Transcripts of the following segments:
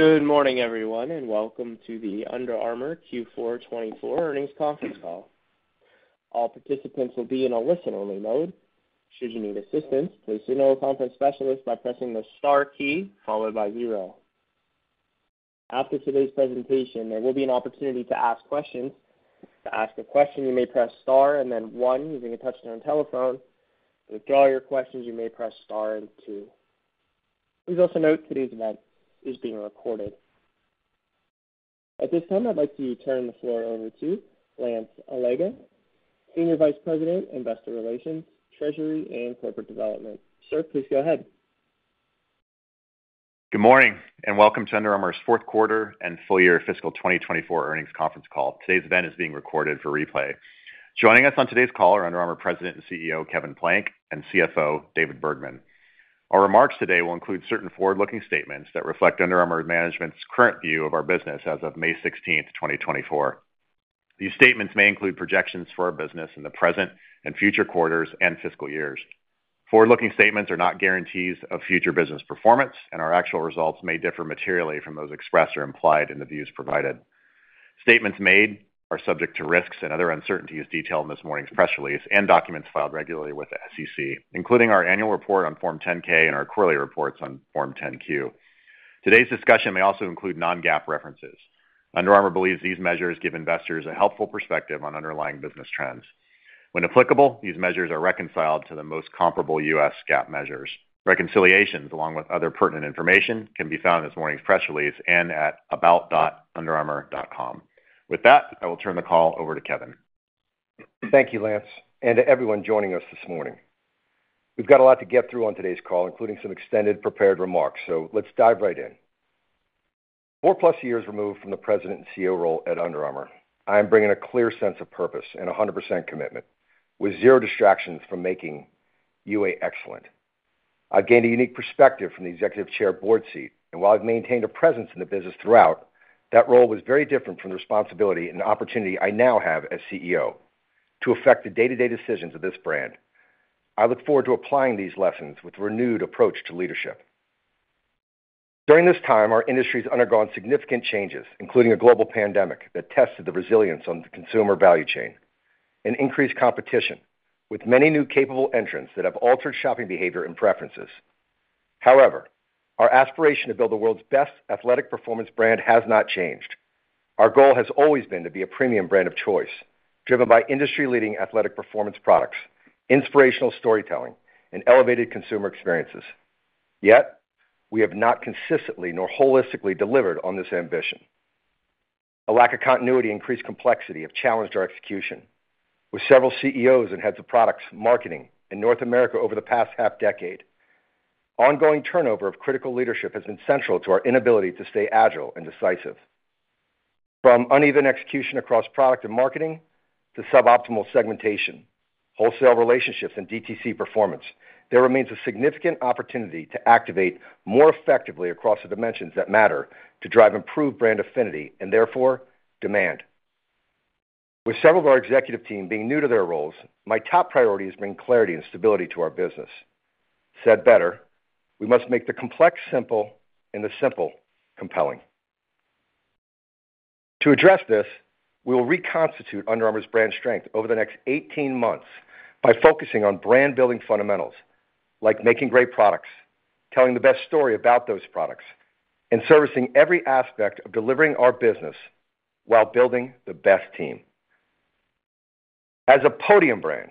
Good morning, everyone, and welcome to the Under Armour Q4 2024 earnings conference call. All participants will be in a listen-only mode. Should you need assistance, please signal a conference specialist by pressing the Star key, followed by zero. After today's presentation, there will be an opportunity to ask questions. To ask a question, you may press Star and then one using a touchtone telephone. To withdraw your questions, you may press Star and two. Please also note today's event is being recorded. At this time, I'd like to turn the floor over to Lance Allega, Senior Vice President, Investor Relations, Treasury, and Corporate Development. Sir, please go ahead. Good morning, and welcome to Under Armour's fourth quarter and full-year fiscal 2024 earnings conference call. Today's event is being recorded for replay. Joining us on today's call are Under Armour President and CEO, Kevin Plank, and CFO, David Bergman. Our remarks today will include certain forward-looking statements that reflect Under Armour management's current view of our business as of May 16th, 2024. These statements may include projections for our business in the present and future quarters and fiscal years. Forward-looking statements are not guarantees of future business performance, and our actual results may differ materially from those expressed or implied in the views provided. Statements made are subject to risks and other uncertainties detailed in this morning's press release and documents filed regularly with the SEC, including our annual report on Form 10-K and our quarterly reports on Form 10-Q. Today's discussion may also include non-GAAP references. Under Armour believes these measures give investors a helpful perspective on underlying business trends. When applicable, these measures are reconciled to the most comparable U.S. GAAP measures. Reconciliations, along with other pertinent information, can be found in this morning's press release and at about.underarmour.com. With that, I will turn the call over to Kevin. Thank you, Lance, and to everyone joining us this morning. We've got a lot to get through on today's call, including some extended prepared remarks, so let's dive right in. 4+ years removed from the president and CEO role at Under Armour, I am bringing a clear sense of purpose and 100% commitment, with zero distractions from making UA excellent. I've gained a unique perspective from the executive chair board seat, and while I've maintained a presence in the business throughout, that role was very different from the responsibility and opportunity I now have as CEO to affect the day-to-day decisions of this brand. I look forward to applying these lessons with renewed approach to leadership. During this time, our industry's undergone significant changes, including a global pandemic that tested the resilience on the consumer value chain and increased competition, with many new capable entrants that have altered shopping behavior and preferences. However, our aspiration to build the world's best athletic performance brand has not changed. Our goal has always been to be a premium brand of choice, driven by industry-leading athletic performance products, inspirational storytelling, and elevated consumer experiences. Yet, we have not consistently nor holistically delivered on this ambition. A lack of continuity and increased complexity have challenged our execution. With several CEOs and heads of products, marketing in North America over the past half decade, ongoing turnover of critical leadership has been central to our inability to stay agile and decisive. From uneven execution across product and marketing to suboptimal segmentation, wholesale relationships, and DTC performance, there remains a significant opportunity to activate more effectively across the dimensions that matter to drive improved brand affinity and therefore, demand. With several of our executive team being new to their roles, my top priority is bringing clarity and stability to our business. Said better, we must make the complex simple, and the simple compelling. To address this, we will reconstitute Under Armour's brand strength over the next 18 months by focusing on brand-building fundamentals, like making great products, telling the best story about those products, and servicing every aspect of delivering our business while building the best team. As a podium brand,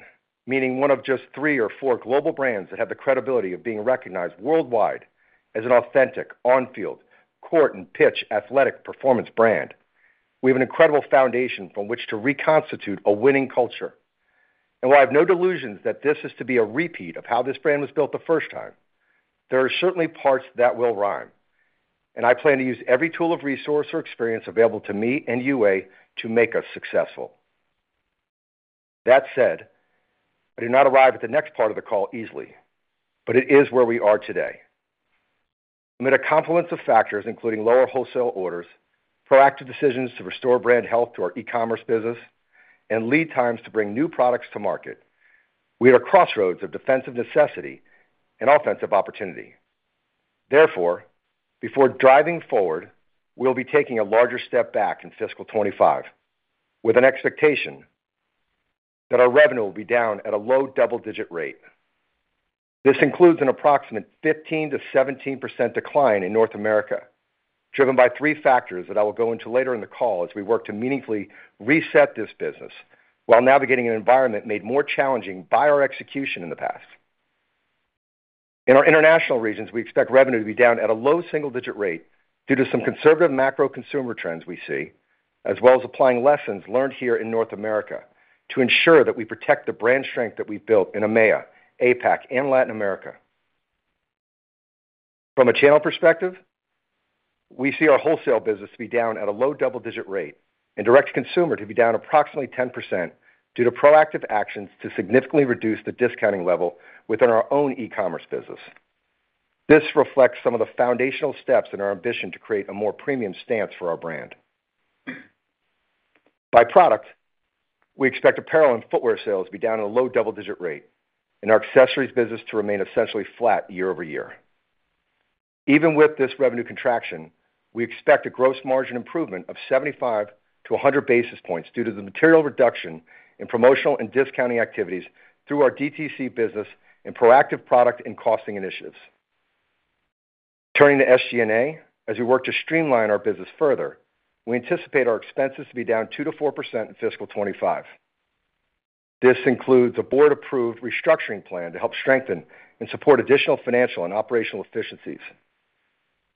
meaning one of just three or four global brands that have the credibility of being recognized worldwide as an authentic on-field, court, and pitch athletic performance brand, we have an incredible foundation from which to reconstitute a winning culture. While I have no delusions that this is to be a repeat of how this brand was built the first time, there are certainly parts that will rhyme, and I plan to use every tool of resource or experience available to me and UA to make us successful. That said, I do not arrive at the next part of the call easily, but it is where we are today. Amid a confluence of factors, including lower wholesale orders, proactive decisions to restore brand health to our e-commerce business, and lead times to bring new products to market, we are at a crossroads of defensive necessity and offensive opportunity. Therefore, before driving forward, we'll be taking a larger step back in fiscal 2025, with an expectation that our revenue will be down at a low double-digit rate. This includes an approximate 15%-17% decline in North America, driven by three factors that I will go into later in the call as we work to meaningfully reset this business, while navigating an environment made more challenging by our execution in the past. In our international regions, we expect revenue to be down at a low single-digit rate due to some conservative macro consumer trends we see, as well as applying lessons learned here in North America to ensure that we protect the brand strength that we've built in EMEA, APAC, and Latin America. From a channel perspective, we see our wholesale business to be down at a low double-digit rate and direct consumer to be down approximately 10% due to proactive actions to significantly reduce the discounting level within our own e-commerce business. This reflects some of the foundational steps in our ambition to create a more premium stance for our brand.... By product, we expect apparel and footwear sales to be down at a low double-digit rate, and our accessories business to remain essentially flat year-over-year. Even with this revenue contraction, we expect a gross margin improvement of 75-100 basis points due to the material reduction in promotional and discounting activities through our DTC business and proactive product and costing initiatives. Turning to SG&A, as we work to streamline our business further, we anticipate our expenses to be down 2%-4% in fiscal 2025. This includes a board-approved restructuring plan to help strengthen and support additional financial and operational efficiencies.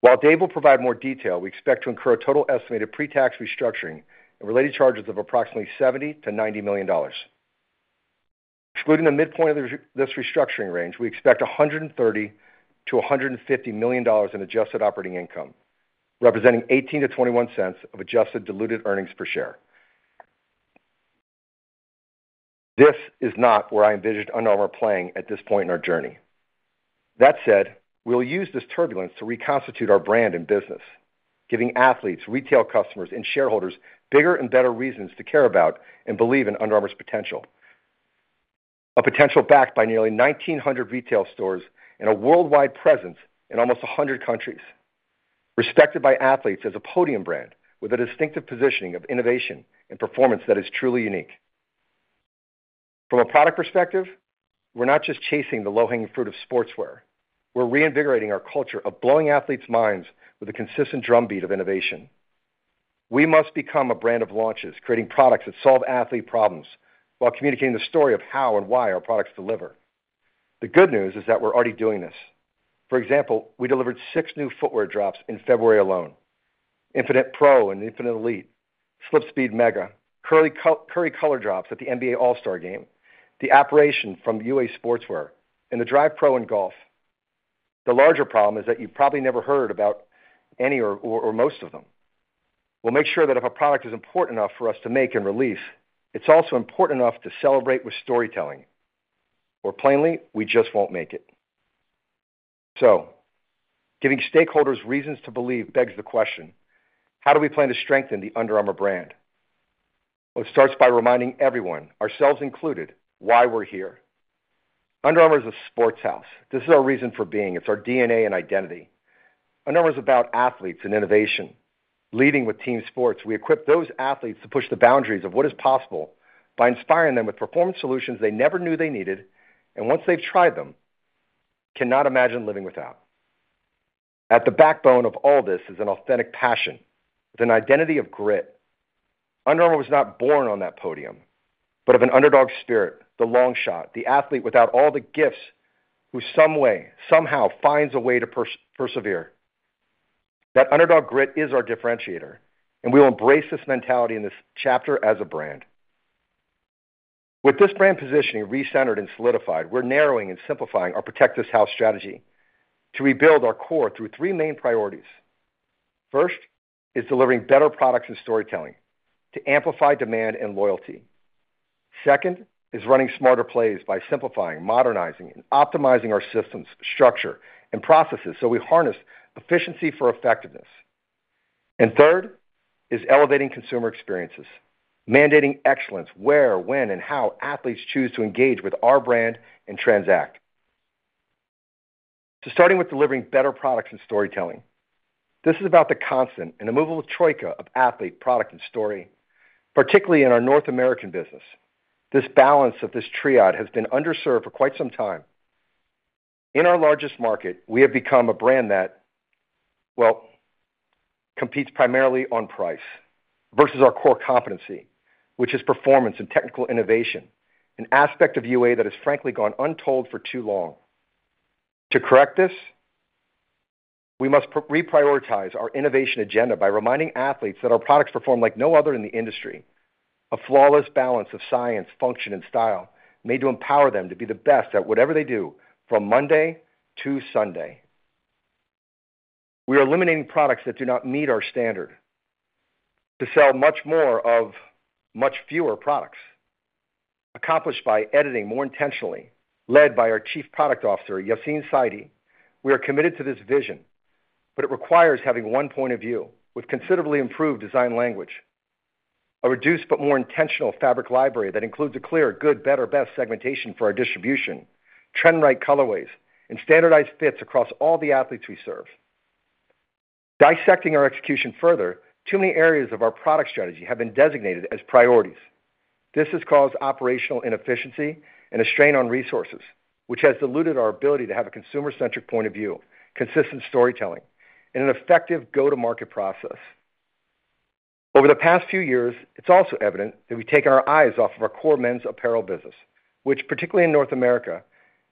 While Dave will provide more detail, we expect to incur a total estimated pre-tax restructuring and related charges of approximately $70-$90 million. Excluding the midpoint of this, this restructuring range, we expect $130-$150 million in adjusted operating income, representing 18-21 cents of adjusted diluted earnings per share. This is not where I envisioned Under Armour playing at this point in our journey. That said, we'll use this turbulence to reconstitute our brand and business, giving athletes, retail customers, and shareholders bigger and better reasons to care about and believe in Under Armour's potential. A potential backed by nearly 1,900 retail stores and a worldwide presence in almost 100 countries, respected by athletes as a podium brand with a distinctive positioning of innovation and performance that is truly unique. From a product perspective, we're not just chasing the low-hanging fruit of sportswear. We're reinvigorating our culture of blowing athletes' minds with a consistent drumbeat of innovation. We must become a brand of launches, creating products that solve athlete problems while communicating the story of how and why our products deliver. The good news is that we're already doing this. For example, we delivered six new footwear drops in February alone. Infinite Pro and Infinite Elite, SlipSpeed Mega, Curry color drops at the NBA All-Star Game, The Apparition from UA Sportswear, and the Drive Pro in golf. The larger problem is that you've probably never heard about any or most of them. We'll make sure that if a product is important enough for us to make and release, it's also important enough to celebrate with storytelling, or plainly, we just won't make it. So giving stakeholders reasons to believe begs the question: How do we plan to strengthen the Under Armour brand? Well, it starts by reminding everyone, ourselves included, why we're here. Under Armour is a sports house. This is our reason for being. It's our DNA and identity. Under Armour is about athletes and innovation. Leading with team sports, we equip those athletes to push the boundaries of what is possible by inspiring them with performance solutions they never knew they needed, and once they've tried them, cannot imagine living without. At the backbone of all this is an authentic passion with an identity of grit. Under Armour was not born on that podium, but of an underdog spirit, the long shot, the athlete without all the gifts, who some way, somehow finds a way to persevere. That underdog grit is our differentiator, and we will embrace this mentality in this chapter as a brand. With this brand positioning recentered and solidified, we're narrowing and simplifying our Protect This House strategy to rebuild our core through three main priorities. First is delivering better products and storytelling to amplify demand and loyalty. Second is running smarter plays by simplifying, modernizing, and optimizing our systems, structure, and processes, so we harness efficiency for effectiveness. And third is elevating consumer experiences, mandating excellence, where, when, and how athletes choose to engage with our brand and transact. So starting with delivering better products and storytelling, this is about the constant and immovable troika of athlete, product, and story, particularly in our North American business. This balance of this triad has been underserved for quite some time. In our largest market, we have become a brand that, well, competes primarily on price versus our core competency, which is performance and technical innovation, an aspect of UA that has frankly gone untold for too long. To correct this, we must reprioritize our innovation agenda by reminding athletes that our products perform like no other in the industry. A flawless balance of science, function, and style, made to empower them to be the best at whatever they do from Monda-Sunday. We are eliminating products that do not meet our standard to sell much more of much fewer products, accomplished by editing more intentionally, led by our Chief Product Officer, Yassine Saidi. We are committed to this vision, but it requires having one point of view with considerably improved design language, a reduced but more intentional fabric library that includes a clear, good, better, best segmentation for our distribution, trend right colorways, and standardized fits across all the athletes we serve. Dissecting our execution further, too many areas of our product strategy have been designated as priorities. This has caused operational inefficiency and a strain on resources, which has diluted our ability to have a consumer-centric point of view, consistent storytelling, and an effective go-to-market process. Over the past few years, it's also evident that we've taken our eyes off of our core men's apparel business, which, particularly in North America,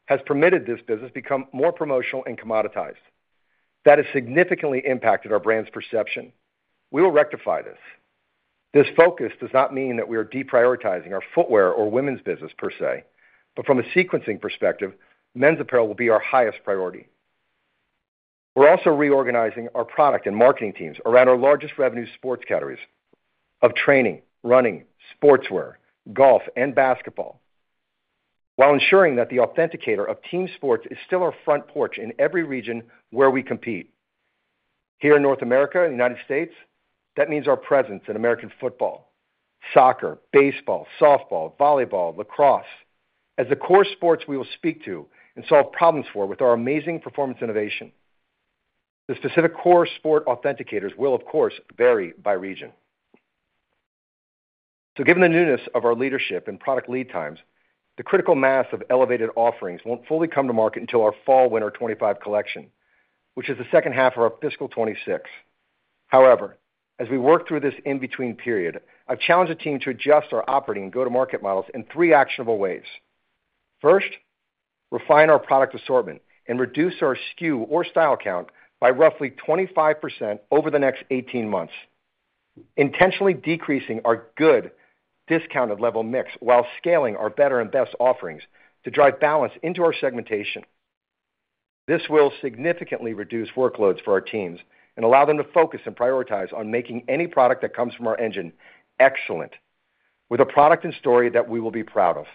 has permitted this business to become more promotional and commoditized. That has significantly impacted our brand's perception. We will rectify this. This focus does not mean that we are deprioritizing our footwear or women's business per se, but from a sequencing perspective, men's apparel will be our highest priority. We're also reorganizing our product and marketing teams around our largest revenue sports categories of training, running, sportswear, golf, and basketball.... while ensuring that the authenticator of team sports is still our front porch in every region where we compete. Here in North America and the United States, that means our presence in American football, soccer, baseball, softball, volleyball, lacrosse, as the core sports we will speak to and solve problems for with our amazing performance innovation. The specific core sport authenticators will, of course, vary by region. So given the newness of our leadership and product lead times, the critical mass of elevated offerings won't fully come to market until our fall-winter 2025 collection, which is the second half of our fiscal 2026. However, as we work through this in-between period, I've challenged the team to adjust our operating and go-to-market models in three actionable ways. First, refine our product assortment and reduce our SKU or style count by roughly 25% over the next 18 months, intentionally decreasing our good discounted level mix, while scaling our better and best offerings to drive balance into our segmentation. This will significantly reduce workloads for our teams and allow them to focus and prioritize on making any product that comes from our engine excellent, with a product and story that we will be proud of.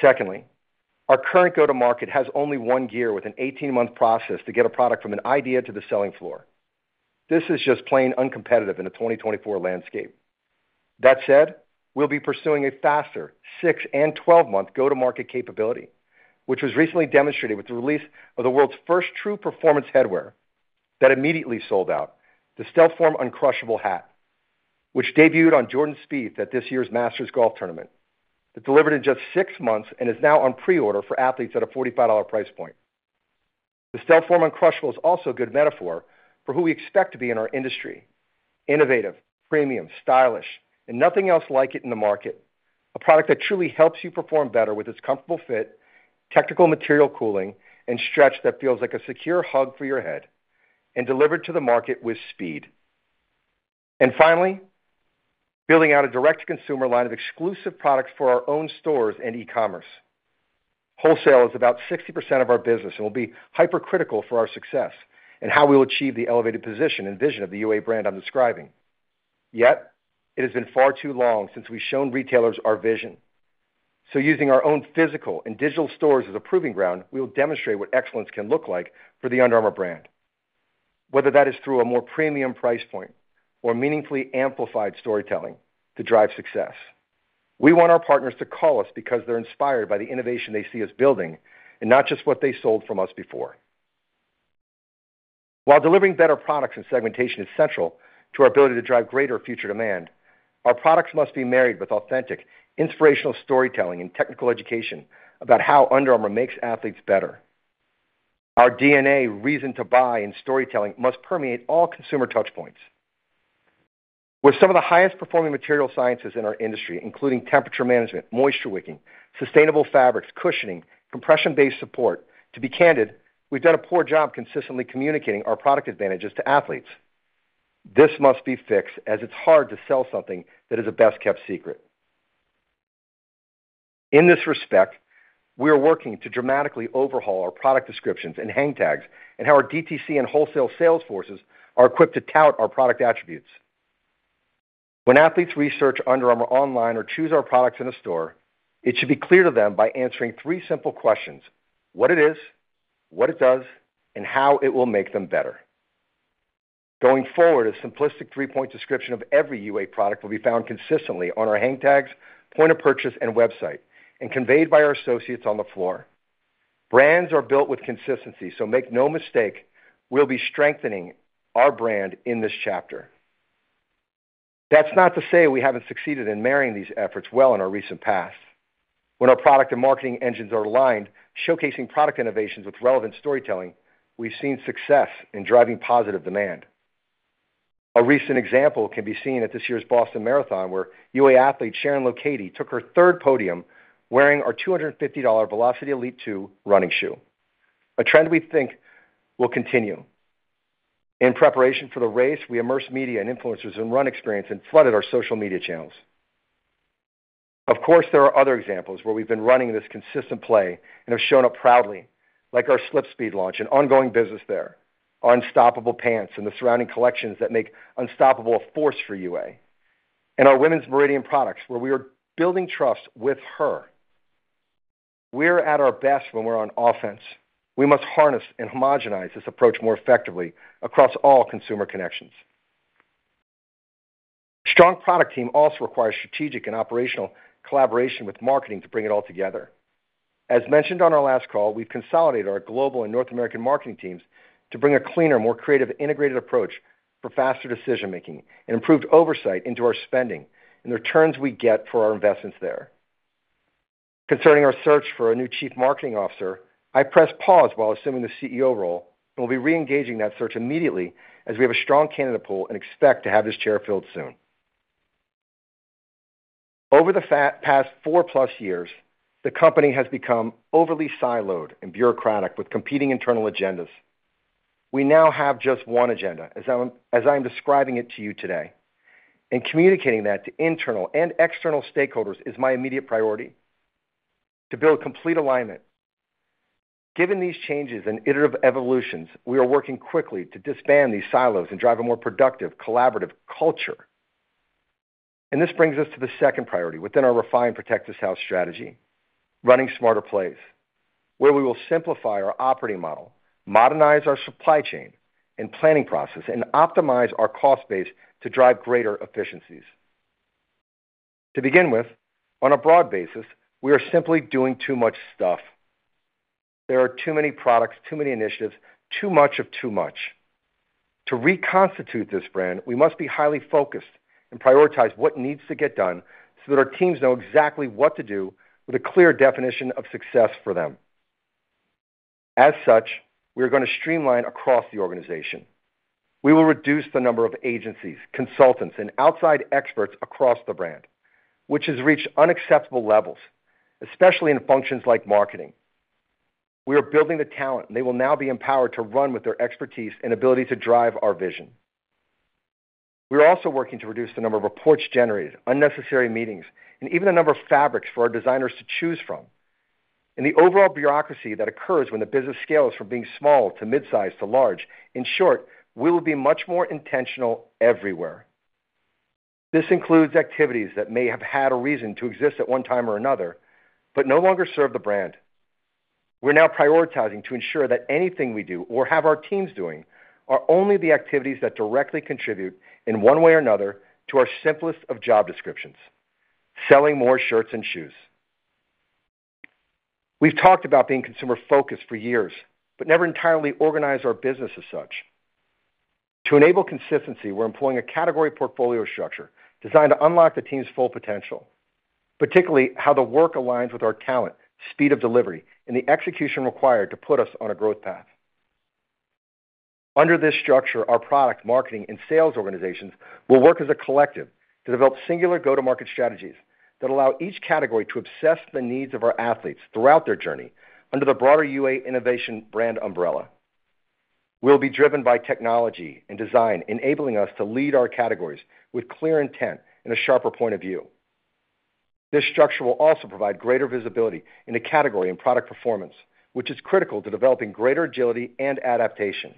Secondly, our current go-to-market has only one gear with an 18-month process to get a product from an idea to the selling floor. This is just plain uncompetitive in a 2024 landscape. That said, we'll be pursuing a faster 6- and 12-month go-to-market capability, which was recently demonstrated with the release of the world's first true performance headwear that immediately sold out, the StealthForm Uncrushable hat, which debuted on Jordan Spieth at this year's Masters Golf Tournament. It delivered in just 6 months and is now on pre-order for athletes at a $45 price point. The StealthForm Uncrushable is also a good metaphor for who we expect to be in our industry, innovative, premium, stylish, and nothing else like it in the market. A product that truly helps you perform better with its comfortable fit, technical material cooling, and stretch that feels like a secure hug for your head, and delivered to the market with speed. And finally, building out a direct-to-consumer line of exclusive products for our own stores and e-commerce. Wholesale is about 60% of our business and will be hypercritical for our success and how we will achieve the elevated position and vision of the UA brand I'm describing. Yet, it has been far too long since we've shown retailers our vision. So using our own physical and digital stores as a proving ground, we will demonstrate what excellence can look like for the Under Armour brand, whether that is through a more premium price point or meaningfully amplified storytelling to drive success. We want our partners to call us because they're inspired by the innovation they see us building and not just what they sold from us before. While delivering better products and segmentation is central to our ability to drive greater future demand, our products must be married with authentic, inspirational storytelling and technical education about how Under Armour makes athletes better. Our DNA reason to buy and storytelling must permeate all consumer touch points. With some of the highest-performing material sciences in our industry, including temperature management, moisture wicking, sustainable fabrics, cushioning, compression-based support, to be candid, we've done a poor job consistently communicating our product advantages to athletes. This must be fixed as it's hard to sell something that is a best-kept secret. In this respect, we are working to dramatically overhaul our product descriptions and hang tags and how our DTC and wholesale sales forces are equipped to tout our product attributes. When athletes research Under Armour online or choose our products in a store, it should be clear to them by answering three simple questions: What it is, what it does, and how it will make them better. Going forward, a simplistic three-point description of every UA product will be found consistently on our hang tags, point of purchase, and website, and conveyed by our associates on the floor. Brands are built with consistency, so make no mistake, we'll be strengthening our brand in this chapter. That's not to say we haven't succeeded in marrying these efforts well in our recent past. When our product and marketing engines are aligned, showcasing product innovations with relevant storytelling, we've seen success in driving positive demand. A recent example can be seen at this year's Boston Marathon, where UA athlete Sharon Lokedi took her third podium wearing our $250 Velociti Elite 2 running shoe, a trend we think will continue. In preparation for the race, we immersed media and influencers in run experience and flooded our social media channels. Of course, there are other examples where we've been running this consistent play and have shown up proudly, like our SlipSpeed launch and ongoing business there, our Unstoppable pants and the surrounding collections that make Unstoppable a force for UA, and our Women's Meridian products, where we are building trust with her. We're at our best when we're on offense. We must harness and homogenize this approach more effectively across all consumer connections. Strong product team also requires strategic and operational collaboration with marketing to bring it all together. As mentioned on our last call, we've consolidated our global and North American marketing teams to bring a cleaner, more creative, integrated approach for faster decision-making and improved oversight into our spending and the returns we get for our investments there. Concerning our search for a new Chief Marketing Officer, I pressed pause while assuming the CEO role and will be reengaging that search immediately, as we have a strong candidate pool and expect to have this chair filled soon. Over the past 4+ years, the company has become overly siloed and bureaucratic with competing internal agendas. We now have just one agenda, as I'm describing it to you today, and communicating that to internal and external stakeholders is my immediate priority. To build complete alignment. Given these changes and iterative evolutions, we are working quickly to disband these silos and drive a more productive, collaborative culture. And this brings us to the second priority within our refined Protect This House strategy, running smarter plays, where we will simplify our operating model, modernize our supply chain and planning process, and optimize our cost base to drive greater efficiencies. To begin with, on a broad basis, we are simply doing too much stuff. There are too many products, too many initiatives, too much of too much. To reconstitute this brand, we must be highly focused and prioritize what needs to get done so that our teams know exactly what to do with a clear definition of success for them. As such, we are going to streamline across the organization. We will reduce the number of agencies, consultants, and outside experts across the brand, which has reached unacceptable levels, especially in functions like marketing. We are building the talent, and they will now be empowered to run with their expertise and ability to drive our vision. We're also working to reduce the number of reports generated, unnecessary meetings, and even the number of fabrics for our designers to choose from, and the overall bureaucracy that occurs when the business scales from being small to mid-size to large. In short, we will be much more intentional everywhere. This includes activities that may have had a reason to exist at one time or another, but no longer serve the brand. We're now prioritizing to ensure that anything we do or have our teams doing are only the activities that directly contribute in one way or another to our simplest of job descriptions, selling more shirts and shoes. We've talked about being consumer-focused for years, but never entirely organized our business as such. To enable consistency, we're employing a category portfolio structure designed to unlock the team's full potential, particularly how the work aligns with our talent, speed of delivery, and the execution required to put us on a growth path. Under this structure, our product, marketing, and sales organizations will work as a collective to develop singular go-to-market strategies that allow each category to obsess the needs of our athletes throughout their journey under the broader UA innovation brand umbrella. We'll be driven by technology and design, enabling us to lead our categories with clear intent and a sharper point of view. This structure will also provide greater visibility into category and product performance, which is critical to developing greater agility and adaptation.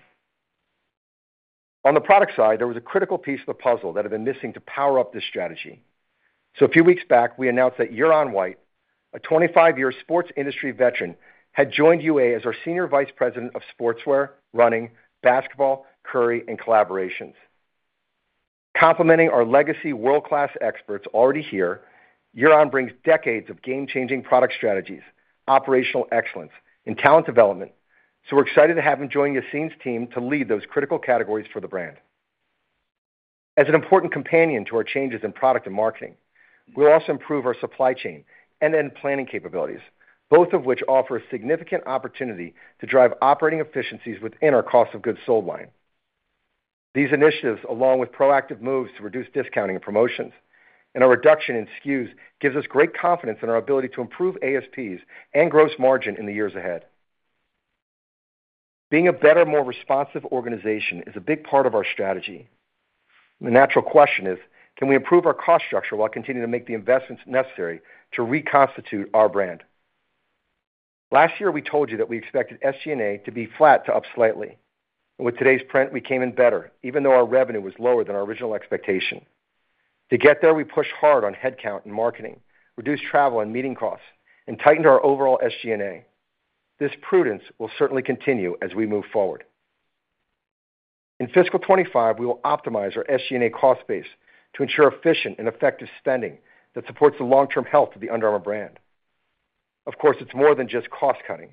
On the product side, there was a critical piece of the puzzle that had been missing to power up this strategy. So a few weeks back, we announced that Yaron White, a 25-year sports industry veteran, had joined UA as our Senior Vice President of Sportswear, Running, Basketball, Curry, and Collaborations. Complementing our legacy world-class experts already here, Yaron brings decades of game-changing product strategies, operational excellence, and talent development. So we're excited to have him join Yassine's team to lead those critical categories for the brand. As an important companion to our changes in product and marketing, we'll also improve our supply chain and end planning capabilities, both of which offer a significant opportunity to drive operating efficiencies within our cost of goods sold line. These initiatives, along with proactive moves to reduce discounting and promotions and our reduction in SKUs, gives us great confidence in our ability to improve ASPs and gross margin in the years ahead. Being a better, more responsive organization is a big part of our strategy. The natural question is: Can we improve our cost structure while continuing to make the investments necessary to reconstitute our brand? Last year, we told you that we expected SG&A to be flat to up slightly. With today's print, we came in better, even though our revenue was lower than our original expectation. To get there, we pushed hard on headcount and marketing, reduced travel and meeting costs, and tightened our overall SG&A. This prudence will certainly continue as we move forward. In fiscal 2025, we will optimize our SG&A cost base to ensure efficient and effective spending that supports the long-term health of the Under Armour brand. Of course, it's more than just cost-cutting.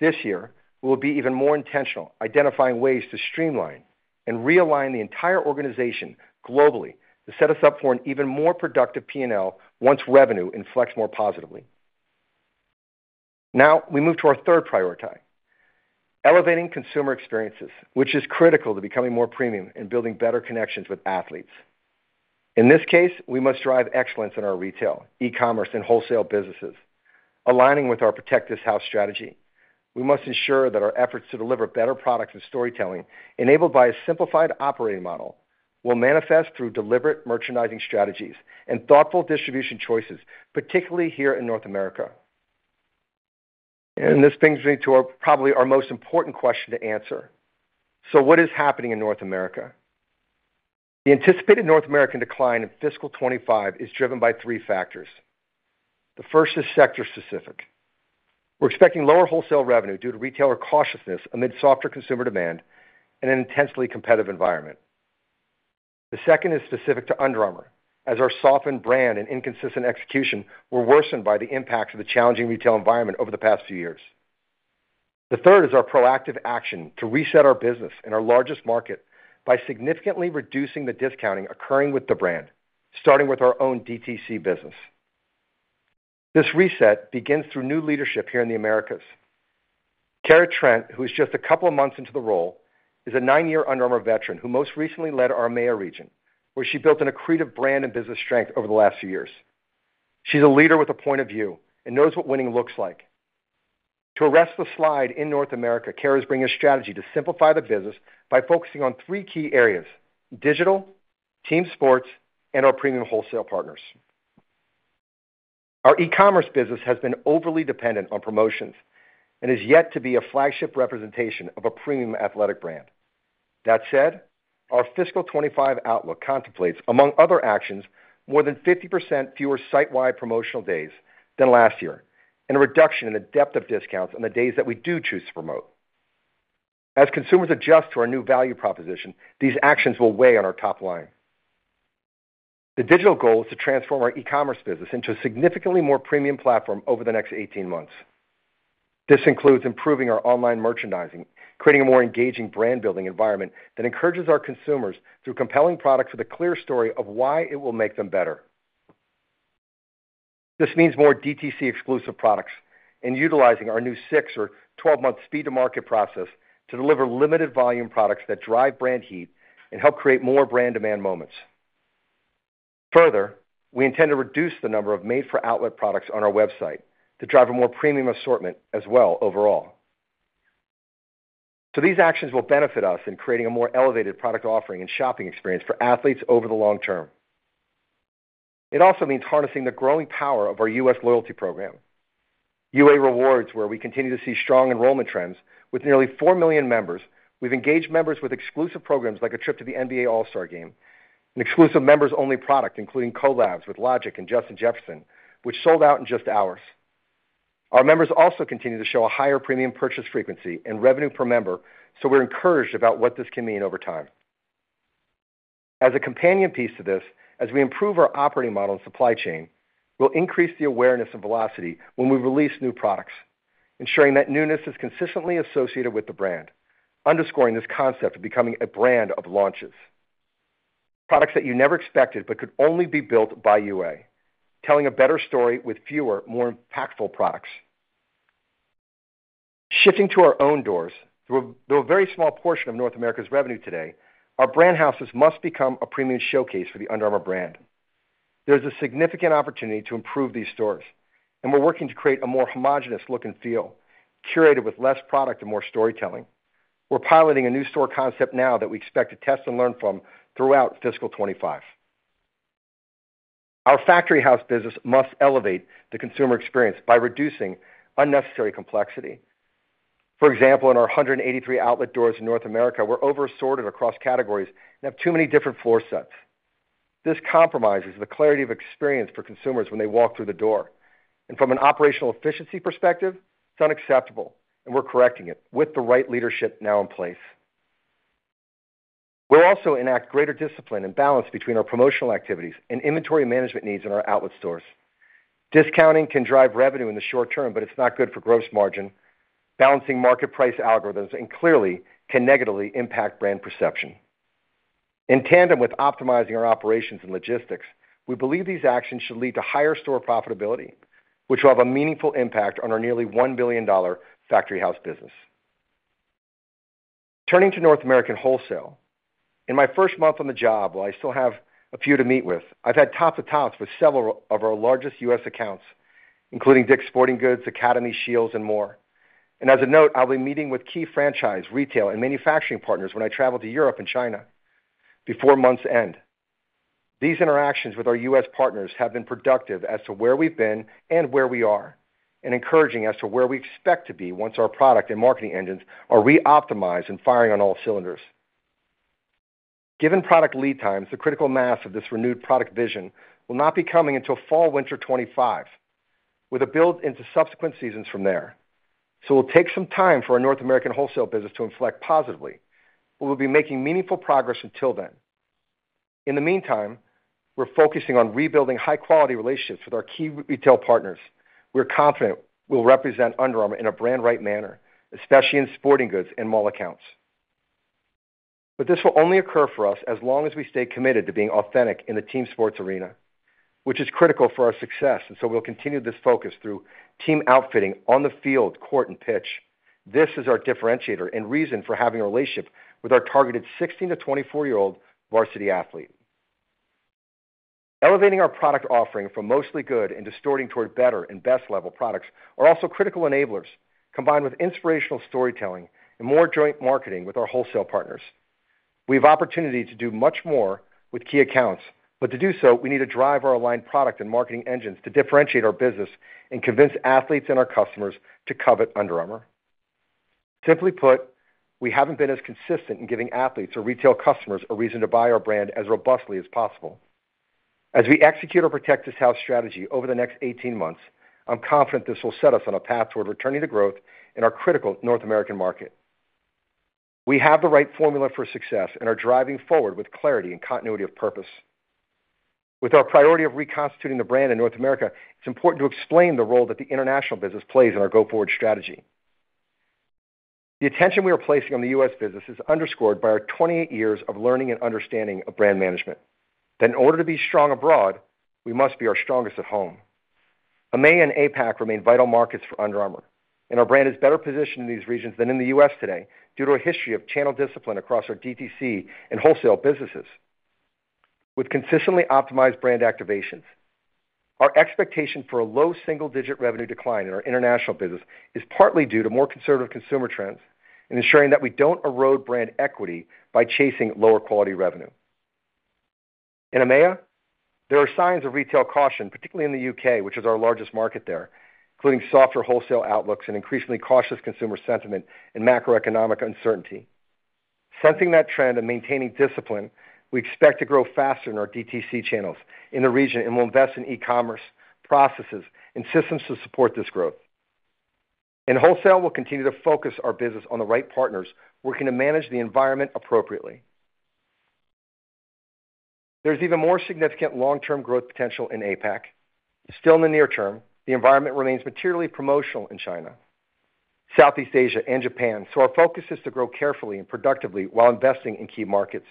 This year, we'll be even more intentional, identifying ways to streamline and realign the entire organization globally to set us up for an even more productive P&L once revenue inflects more positively. Now, we move to our third priority, elevating consumer experiences, which is critical to becoming more premium and building better connections with athletes. In this case, we must drive excellence in our retail, e-commerce, and wholesale businesses. Aligning with our Protect This House strategy, we must ensure that our efforts to deliver better products and storytelling, enabled by a simplified operating model, will manifest through deliberate merchandising strategies and thoughtful distribution choices, particularly here in North America. And this brings me to our, probably our most important question to answer. So what is happening in North America? The anticipated North American decline in fiscal 2025 is driven by three factors. The first is sector-specific. We're expecting lower wholesale revenue due to retailer cautiousness amid softer consumer demand and an intensely competitive environment. The second is specific to Under Armour, as our softened brand and inconsistent execution were worsened by the impacts of the challenging retail environment over the past few years. The third is our proactive action to reset our business in our largest market by significantly reducing the discounting occurring with the brand, starting with our own DTC business. This reset begins through new leadership here in the Americas. Kara Trent, who is just a couple of months into the role, is a nine-year Under Armour veteran, who most recently led our EMEA region, where she built an accretive brand and business strength over the last few years. She's a leader with a point of view and knows what winning looks like. To arrest the slide in North America, Kara is bringing a strategy to simplify the business by focusing on three key areas: digital, team sports, and our premium wholesale partners.... Our e-commerce business has been overly dependent on promotions and is yet to be a flagship representation of a premium athletic brand. That said, our fiscal 2025 outlook contemplates, among other actions, more than 50% fewer site-wide promotional days than last year, and a reduction in the depth of discounts on the days that we do choose to promote. As consumers adjust to our new value proposition, these actions will weigh on our top line. The digital goal is to transform our e-commerce business into a significantly more premium platform over the next 18 months. This includes improving our online merchandising, creating a more engaging brand-building environment that encourages our consumers through compelling products with a clear story of why it will make them better. This means more DTC-exclusive products and utilizing our new 6- or 12-month speed-to-market process to deliver limited volume products that drive brand heat and help create more brand demand moments. Further, we intend to reduce the number of made-for-outlet products on our website to drive a more premium assortment as well overall. So these actions will benefit us in creating a more elevated product offering and shopping experience for athletes over the long term. It also means harnessing the growing power of our U.S. loyalty program, UA Rewards, where we continue to see strong enrollment trends. With nearly 4 million members, we've engaged members with exclusive programs like a trip to the NBA All-Star Game, and exclusive members-only product, including collabs with Logic and Justin Jefferson, which sold out in just hours. Our members also continue to show a higher premium purchase frequency and revenue per member, so we're encouraged about what this can mean over time. As a companion piece to this, as we improve our operating model and supply chain, we'll increase the awareness and velocity when we release new products, ensuring that newness is consistently associated with the brand, underscoring this concept of becoming a brand of launches. Products that you never expected but could only be built by UA, telling a better story with fewer, more impactful products. Shifting to our own doors, through a very small portion of North America's revenue today, our Brand Houses must become a premium showcase for the Under Armour brand. There's a significant opportunity to improve these stores, and we're working to create a more homogeneous look and feel, curated with less product and more storytelling. We're piloting a new store concept now that we expect to test and learn from throughout fiscal 2025. Our Factory House business must elevate the consumer experience by reducing unnecessary complexity. For example, in our 183 outlet doors in North America, we're over-sorted across categories and have too many different floor sets. This compromises the clarity of experience for consumers when they walk through the door, and from an operational efficiency perspective, it's unacceptable, and we're correcting it with the right leadership now in place. We'll also enact greater discipline and balance between our promotional activities and inventory management needs in our outlet stores. Discounting can drive revenue in the short term, but it's not good for gross margin, balancing market price algorithms, and clearly can negatively impact brand perception. In tandem with optimizing our operations and logistics, we believe these actions should lead to higher store profitability, which will have a meaningful impact on our nearly $1 billion factory house business. Turning to North American wholesale, in my first month on the job, while I still have a few to meet with, I've had top-to-tops with several of our largest U.S. accounts, including Dick's Sporting Goods, Academy, Scheels, and more. As a note, I'll be meeting with key franchise, retail, and manufacturing partners when I travel to Europe and China before month's end. These interactions with our U.S. partners have been productive as to where we've been and where we are, and encouraging as to where we expect to be once our product and marketing engines are reoptimized and firing on all cylinders. Given product lead times, the critical mass of this renewed product vision will not be coming until fall/winter 2025, with a build into subsequent seasons from there. So it'll take some time for our North American wholesale business to inflect positively, but we'll be making meaningful progress until then. In the meantime, we're focusing on rebuilding high-quality relationships with our key retail partners. We're confident we'll represent Under Armour in a brand-right manner, especially in sporting goods and mall accounts. But this will only occur for us as long as we stay committed to being authentic in the team sports arena, which is critical for our success, and so we'll continue this focus through team outfitting on the field, court, and pitch. This is our differentiator and reason for having a relationship with our targeted 16-24-year-old varsity athlete. Elevating our product offering from mostly good and distorting toward better and best-level products are also critical enablers, combined with inspirational storytelling and more joint marketing with our wholesale partners. We have opportunity to do much more with key accounts, but to do so, we need to drive our aligned product and marketing engines to differentiate our business and convince athletes and our customers to covet Under Armour. Simply put, we haven't been as consistent in giving athletes or retail customers a reason to buy our brand as robustly as possible. As we execute our Protect This House strategy over the next 18 months, I'm confident this will set us on a path toward returning to growth in our critical North American market. We have the right formula for success and are driving forward with clarity and continuity of purpose. With our priority of reconstituting the brand in North America, it's important to explain the role that the international business plays in our go-forward strategy. The attention we are placing on the U.S. business is underscored by our 28 years of learning and understanding of brand management, that in order to be strong abroad, we must be our strongest at home. EMEA and APAC remain vital markets for Under Armour, and our brand is better positioned in these regions than in the US today due to a history of channel discipline across our DTC and wholesale businesses. With consistently optimized brand activations, our expectation for a low single-digit revenue decline in our international business is partly due to more conservative consumer trends, and ensuring that we don't erode brand equity by chasing lower-quality revenue. In EMEA, there are signs of retail caution, particularly in the U.K., which is our largest market there, including softer wholesale outlooks and increasingly cautious consumer sentiment and macroeconomic uncertainty. Sensing that trend and maintaining discipline, we expect to grow faster in our DTC channels in the region, and we'll invest in e-commerce processes and systems to support this growth. In wholesale, we'll continue to focus our business on the right partners, working to manage the environment appropriately. There's even more significant long-term growth potential in APAC. Still, in the near term, the environment remains materially promotional in China, Southeast Asia, and Japan, so our focus is to grow carefully and productively while investing in key markets,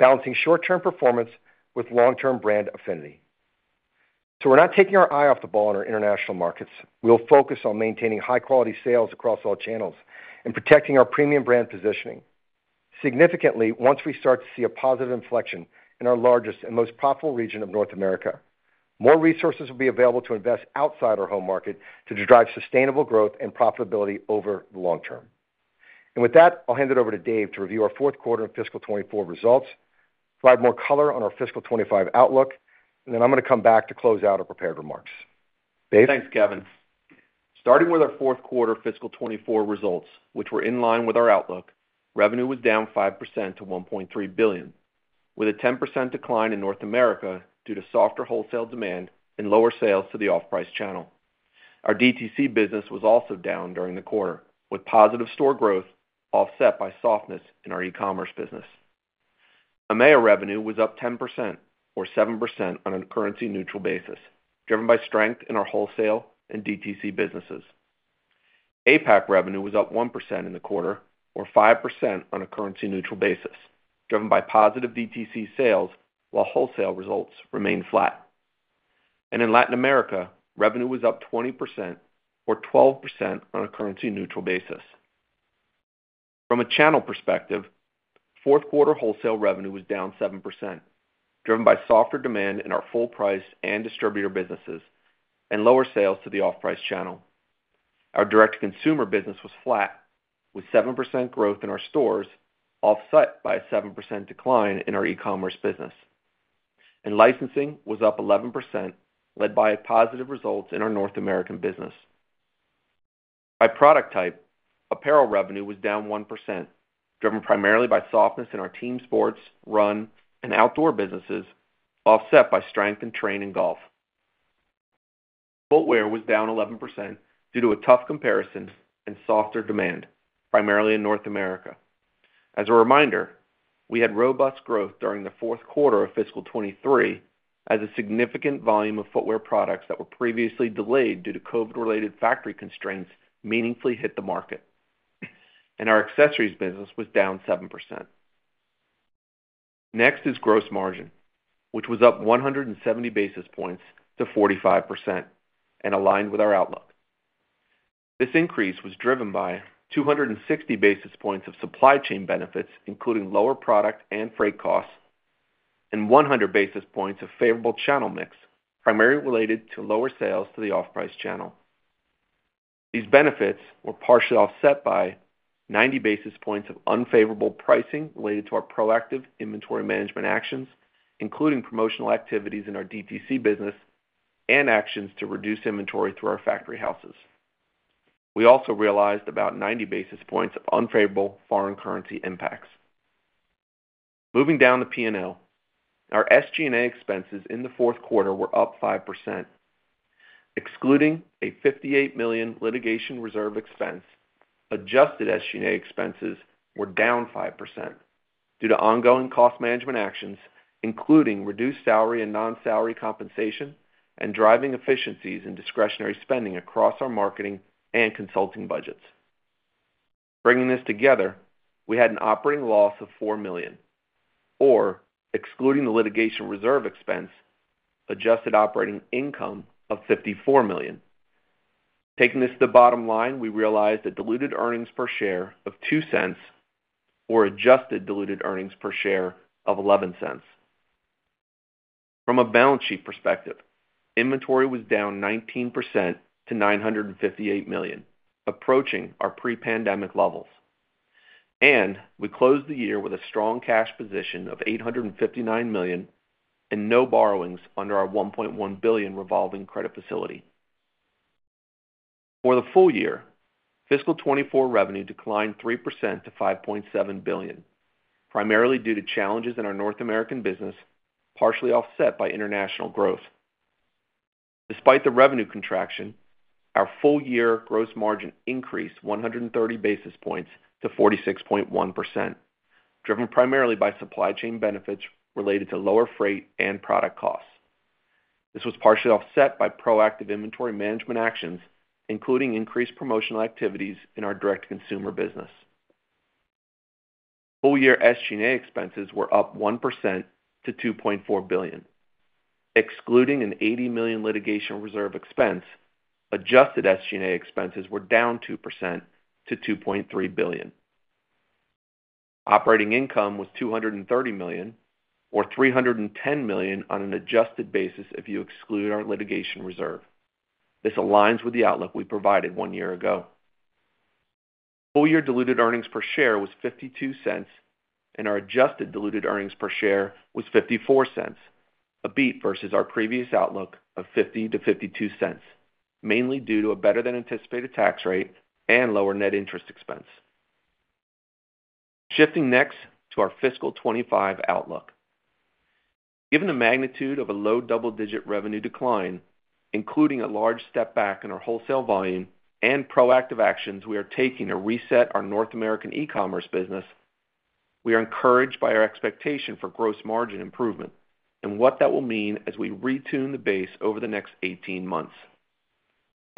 balancing short-term performance with long-term brand affinity. So we're not taking our eye off the ball in our international markets. We'll focus on maintaining high-quality sales across all channels and protecting our premium brand positioning. Significantly, once we start to see a positive inflection in our largest and most profitable region of North America, more resources will be available to invest outside our home market to drive sustainable growth and profitability over the long term. And with that, I'll hand it over to Dave to review our fourth quarter and fiscal 2024 results, provide more color on our fiscal 2025 outlook, and then I'm gonna come back to close out our prepared remarks. Dave? Thanks, Kevin. Starting with our fourth quarter fiscal 2024 results, which were in line with our outlook, revenue was down 5% to $1.3 billion, with a 10% decline in North America due to softer wholesale demand and lower sales to the off-price channel. Our DTC business was also down during the quarter, with positive store growth offset by softness in our e-commerce business. EMEA revenue was up 10%, or 7% on a currency-neutral basis, driven by strength in our wholesale and DTC businesses. APAC revenue was up 1% in the quarter, or 5% on a currency-neutral basis, driven by positive DTC sales, while wholesale results remained flat. In Latin America, revenue was up 20%, or 12% on a currency-neutral basis. From a channel perspective, fourth quarter wholesale revenue was down 7%, driven by softer demand in our full-price and distributor businesses and lower sales to the off-price channel. Our direct-to-consumer business was flat, with 7% growth in our stores, offset by a 7% decline in our e-commerce business. Licensing was up 11%, led by positive results in our North American business. By product type, apparel revenue was down 1%, driven primarily by softness in our team sports, run, and outdoor businesses, offset by strength in train and golf. Footwear was down 11% due to a tough comparison and softer demand, primarily in North America. As a reminder, we had robust growth during the fourth quarter of fiscal 2023 as a significant volume of footwear products that were previously delayed due to COVID-related factory constraints meaningfully hit the market. Our accessories business was down 7%. Next is gross margin, which was up 170 basis points to 45% and aligned with our outlook. This increase was driven by 260 basis points of supply chain benefits, including lower product and freight costs, and 100 basis points of favorable channel mix, primarily related to lower sales to the off-price channel. These benefits were partially offset by 90 basis points of unfavorable pricing related to our proactive inventory management actions, including promotional activities in our DTC business and actions to reduce inventory through our factory houses. We also realized about 90 basis points of unfavorable foreign currency impacts. Moving down to P&L, our SG&A expenses in the fourth quarter were up 5%, excluding a $58 million litigation reserve expense. Adjusted SG&A expenses were down 5% due to ongoing cost management actions, including reduced salary and non-salary compensation and driving efficiencies in discretionary spending across our marketing and consulting budgets. Bringing this together, we had an operating loss of $4 million, or excluding the litigation reserve expense, adjusted operating income of $54 million. Taking this to the bottom line, we realized a diluted earnings per share of $0.02 or adjusted diluted earnings per share of $0.11. From a balance sheet perspective, inventory was down 19% to $958 million, approaching our pre-pandemic levels, and we closed the year with a strong cash position of $859 million and no borrowings under our $1.1 billion revolving credit facility. For the full year, fiscal 2024 revenue declined 3% to $5.7 billion, primarily due to challenges in our North American business, partially offset by international growth. Despite the revenue contraction, our full-year gross margin increased 130 basis points to 46.1%, driven primarily by supply chain benefits related to lower freight and product costs. This was partially offset by proactive inventory management actions, including increased promotional activities in our direct-to-consumer business. Full-year SG&A expenses were up 1% to $2.4 billion. Excluding an $80 million litigation reserve expense, adjusted SG&A expenses were down 2% to $2.3 billion. Operating income was $230 million, or $310 million on an adjusted basis if you exclude our litigation reserve. This aligns with the outlook we provided one year ago. Full year diluted earnings per share was $0.52, and our adjusted diluted earnings per share was $0.54, a beat versus our previous outlook of $0.50-$0.52, mainly due to a better than anticipated tax rate and lower net interest expense. Shifting next to our fiscal 2025 outlook. Given the magnitude of a low double-digit revenue decline, including a large step back in our wholesale volume and proactive actions we are taking to reset our North American e-commerce business, we are encouraged by our expectation for gross margin improvement and what that will mean as we retune the base over the next 18 months.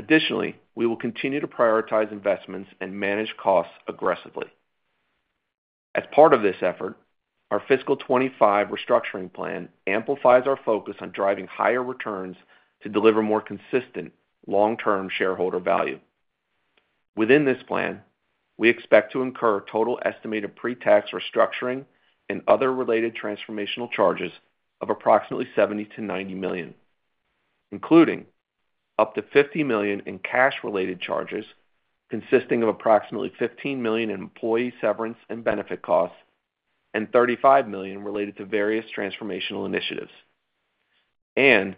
Additionally, we will continue to prioritize investments and manage costs aggressively. As part of this effort, our fiscal 2025 restructuring plan amplifies our focus on driving higher returns to deliver more consistent long-term shareholder value. Within this plan, we expect to incur total estimated pre-tax restructuring and other related transformational charges of approximately $70 million-$90 million, including up to $50 million in cash-related charges, consisting of approximately $15 million in employee severance and benefit costs, and $35 million related to various transformational initiatives, and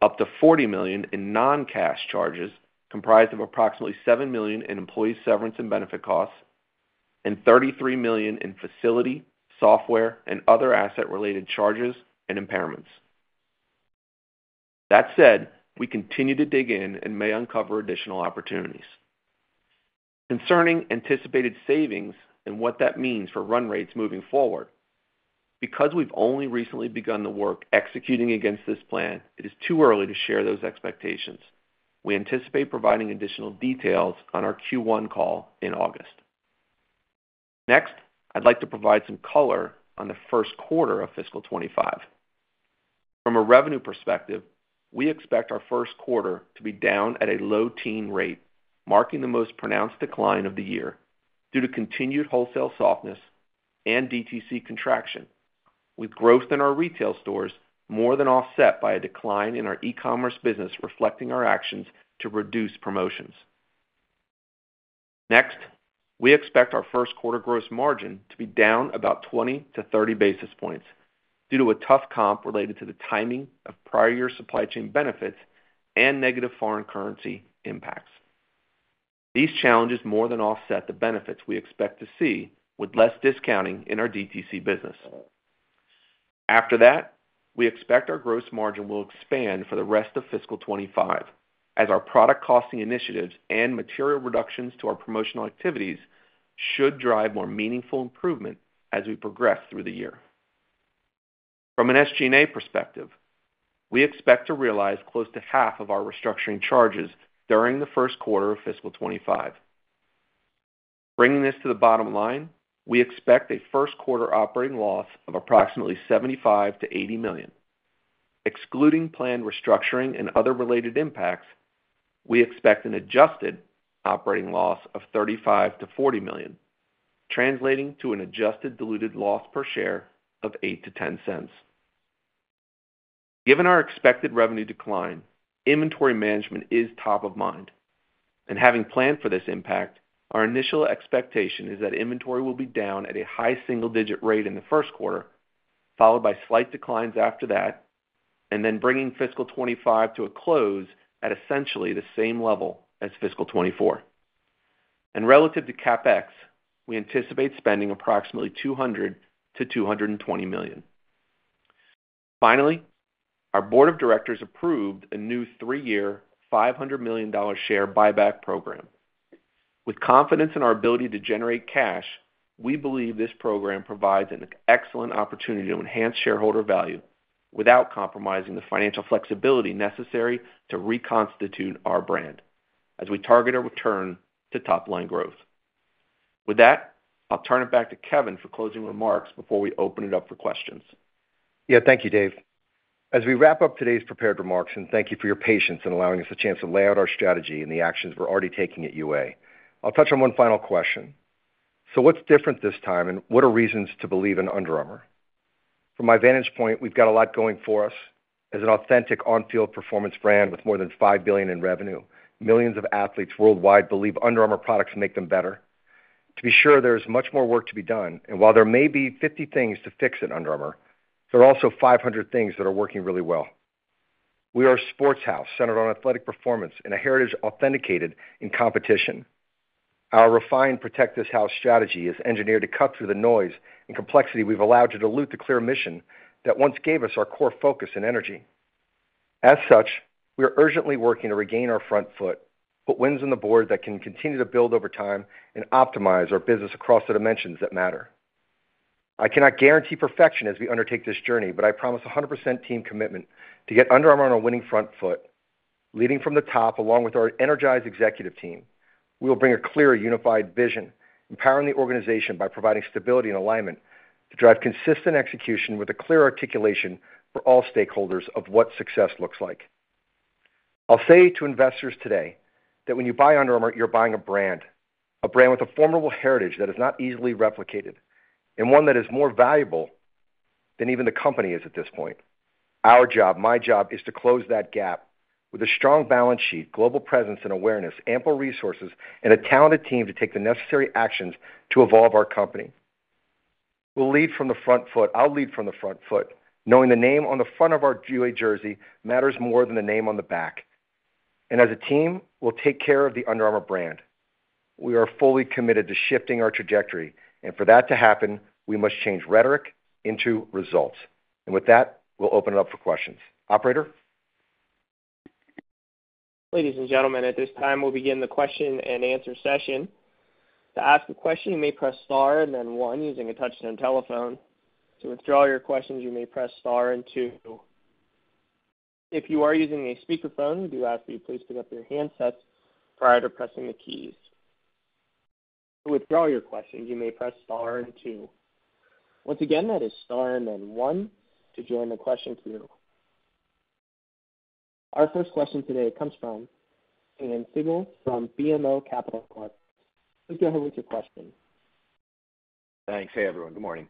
up to $40 million in non-cash charges, comprised of approximately $7 million in employee severance and benefit costs, and $33 million in facility, software, and other asset-related charges and impairments. That said, we continue to dig in and may uncover additional opportunities. Concerning anticipated savings and what that means for run rates moving forward, because we've only recently begun the work executing against this plan, it is too early to share those expectations. We anticipate providing additional details on our Q1 call in August. Next, I'd like to provide some color on the first quarter of fiscal 2025. From a revenue perspective, we expect our first quarter to be down at a low teen rate, marking the most pronounced decline of the year due to continued wholesale softness and DTC contraction, with growth in our retail stores more than offset by a decline in our e-commerce business, reflecting our actions to reduce promotions. Next, we expect our first quarter gross margin to be down about 20-30 basis points due to a tough comp related to the timing of prior year supply chain benefits and negative foreign currency impacts. These challenges more than offset the benefits we expect to see with less discounting in our DTC business. After that, we expect our gross margin will expand for the rest of fiscal 2025 as our product costing initiatives and material reductions to our promotional activities should drive more meaningful improvement as we progress through the year. From an SG&A perspective, we expect to realize close to half of our restructuring charges during the first quarter of fiscal 2025. Bringing this to the bottom line, we expect a first quarter operating loss of approximately $75 million-$80 million. Excluding planned restructuring and other related impacts, we expect an adjusted operating loss of $35 million-$40 million, translating to an adjusted diluted loss per share of $0.08-$0.10. Given our expected revenue decline, inventory management is top of mind, and having planned for this impact, our initial expectation is that inventory will be down at a high single-digit rate in the first quarter, followed by slight declines after that, and then bringing fiscal 2025 to a close at essentially the same level as fiscal 2024. And relative to CapEx, we anticipate spending approximately $200 million-$220 million. Finally, our board of directors approved a new three-year, $500 million share buyback program. With confidence in our ability to generate cash, we believe this program provides an excellent opportunity to enhance shareholder value without compromising the financial flexibility necessary to reconstitute our brand as we target our return to top-line growth. With that, I'll turn it back to Kevin for closing remarks before we open it up for questions. Yeah, thank you, Dave. As we wrap up today's prepared remarks, and thank you for your patience in allowing us a chance to lay out our strategy and the actions we're already taking at UA, I'll touch on one final question. So what's different this time, and what are reasons to believe in Under Armour? From my vantage point, we've got a lot going for us. As an authentic on-field performance brand with more than $5 billion in revenue, millions of athletes worldwide believe Under Armour products make them better. To be sure, there's much more work to be done, and while there may be 50 things to fix at Under Armour, there are also 500 things that are working really well. We are a sports house centered on athletic performance and a heritage authenticated in competition. Our refined Protect This House strategy is engineered to cut through the noise and complexity we've allowed to dilute the clear mission that once gave us our core focus and energy. As such, we are urgently working to regain our front foot, put wins on the board that can continue to build over time and optimize our business across the dimensions that matter. I cannot guarantee perfection as we undertake this journey, but I promise 100% team commitment to get Under Armour on a winning front foot, leading from the top, along with our energized executive team. We will bring a clear, unified vision, empowering the organization by providing stability and alignment to drive consistent execution with a clear articulation for all stakeholders of what success looks like.... I'll say to investors today that when you buy Under Armour, you're buying a brand, a brand with a formidable heritage that is not easily replicated and one that is more valuable than even the company is at this point. Our job, my job, is to close that gap with a strong balance sheet, global presence and awareness, ample resources, and a talented team to take the necessary actions to evolve our company. We'll lead from the front foot. I'll lead from the front foot, knowing the name on the front of our UA jersey matters more than the name on the back. And as a team, we'll take care of the Under Armour brand. We are fully committed to shifting our trajectory, and for that to happen, we must change rhetoric into results. And with that, we'll open it up for questions. Operator? Ladies and gentlemen, at this time, we'll begin the question-and-answer session. To ask a question, you may press star and then one using a touchtone telephone. To withdraw your questions, you may press star and two. If you are using a speakerphone, we do ask that you please pick up your handsets prior to pressing the keys. To withdraw your questions, you may press star and two. Once again, that is star and then one to join the question queue. Our first question today comes from Simeon Siegel from BMO Capital Markets. Please go ahead with your question. Thanks. Hey, everyone. Good morning.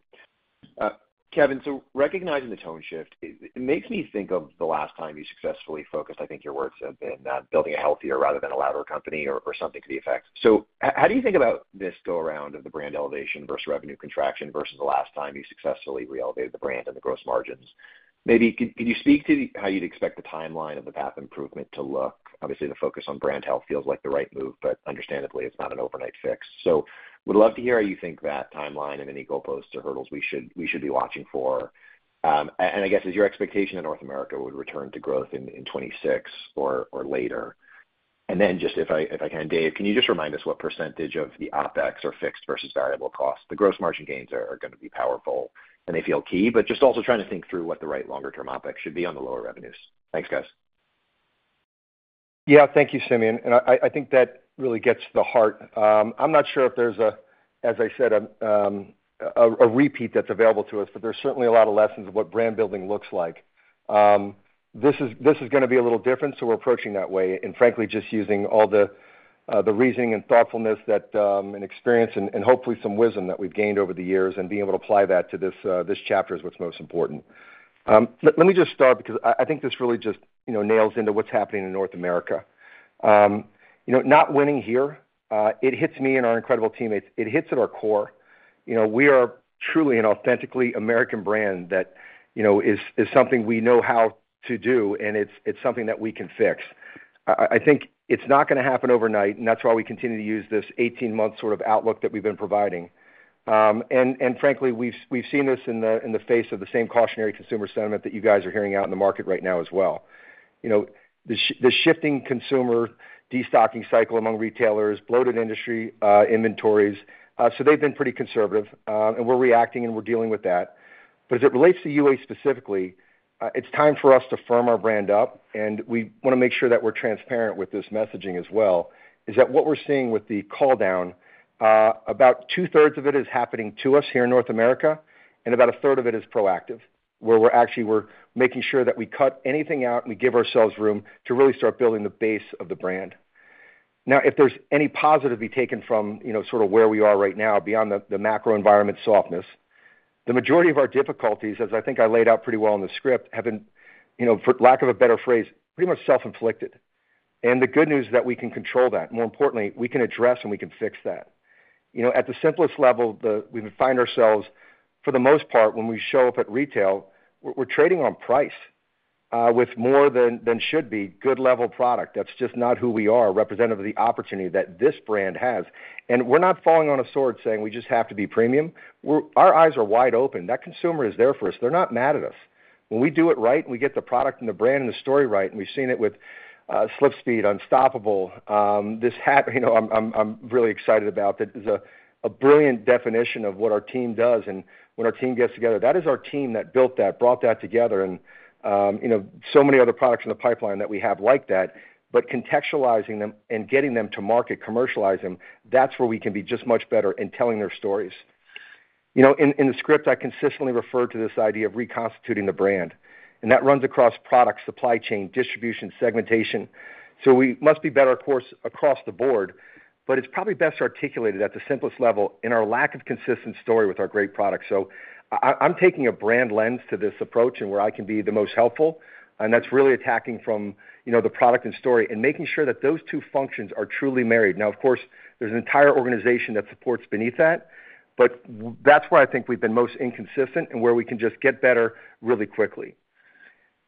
Kevin, so recognizing the tone shift, it makes me think of the last time you successfully focused, I think your words have been, building a healthier rather than a louder company or, or something to the effect. So how do you think about this go around of the brand elevation versus revenue contraction versus the last time you successfully reelevated the brand and the gross margins? Maybe can you speak to how you'd expect the timeline of the path improvement to look? Obviously, the focus on brand health feels like the right move, but understandably, it's not an overnight fix. So would love to hear how you think that timeline and any goalposts or hurdles we should, we should be watching for. And I guess, is your expectation that North America would return to growth in 2026 or later? Then just if I, if I can, Dave, can you just remind us what percentage of the OpEx are fixed versus variable costs? The gross margin gains are, are gonna be powerful, and they feel key, but just also trying to think through what the right longer-term OpEx should be on the lower revenues. Thanks, guys. Yeah, thank you, Simeon. And I think that really gets the heart. I'm not sure if there's a, as I said, repeat that's available to us, but there's certainly a lot of lessons of what brand building looks like. This is gonna be a little different, so we're approaching that way, and frankly, just using all the reasoning and thoughtfulness that and experience and hopefully some wisdom that we've gained over the years and being able to apply that to this chapter is what's most important. Let me just start because I think this really just, you know, nails into what's happening in North America. You know, not winning here, it hits me and our incredible teammates. It hits at our core. You know, we are truly an authentically American brand that, you know, is something we know how to do, and it's something that we can fix. I think it's not gonna happen overnight, and that's why we continue to use this 18-month sort of outlook that we've been providing. And frankly, we've seen this in the face of the same cautionary consumer sentiment that you guys are hearing out in the market right now as well. You know, the shifting consumer destocking cycle among retailers, bloated industry inventories, so they've been pretty conservative, and we're reacting, and we're dealing with that. But as it relates to UA specifically, it's time for us to firm our brand up, and we wanna make sure that we're transparent with this messaging as well, is that what we're seeing with the call down, about two-thirds of it is happening to us here in North America, and about a third of it is proactive, where we're actually, we're making sure that we cut anything out, and we give ourselves room to really start building the base of the brand. Now, if there's any positive to be taken from, you know, sort of where we are right now beyond the, the macro environment softness, the majority of our difficulties, as I think I laid out pretty well in the script, have been, you know, for lack of a better phrase, pretty much self-inflicted. And the good news is that we can control that. More importantly, we can address, and we can fix that. You know, at the simplest level, the we would find ourselves, for the most part, when we show up at retail, we're trading on price with more than should be good level product. That's just not who we are, representative of the opportunity that this brand has. And we're not falling on a sword saying we just have to be premium. We're our eyes are wide open. That consumer is there for us. They're not mad at us. When we do it right, and we get the product and the brand and the story right, and we've seen it with SlipSpeed, Unstoppable, this hat, you know, I'm really excited about, that is a brilliant definition of what our team does and when our team gets together. That is our team that built that, brought that together and, you know, so many other products in the pipeline that we have like that, but contextualizing them and getting them to market, commercialize them, that's where we can be just much better in telling their stories. You know, in the script, I consistently refer to this idea of reconstituting the brand, and that runs across product, supply chain, distribution, segmentation. So we must be better, of course, across the board, but it's probably best articulated at the simplest level in our lack of consistent story with our great products. So I, I'm taking a brand lens to this approach and where I can be the most helpful, and that's really attacking from, you know, the product and story and making sure that those two functions are truly married. Now, of course, there's an entire organization that supports beneath that, but that's where I think we've been most inconsistent and where we can just get better really quickly.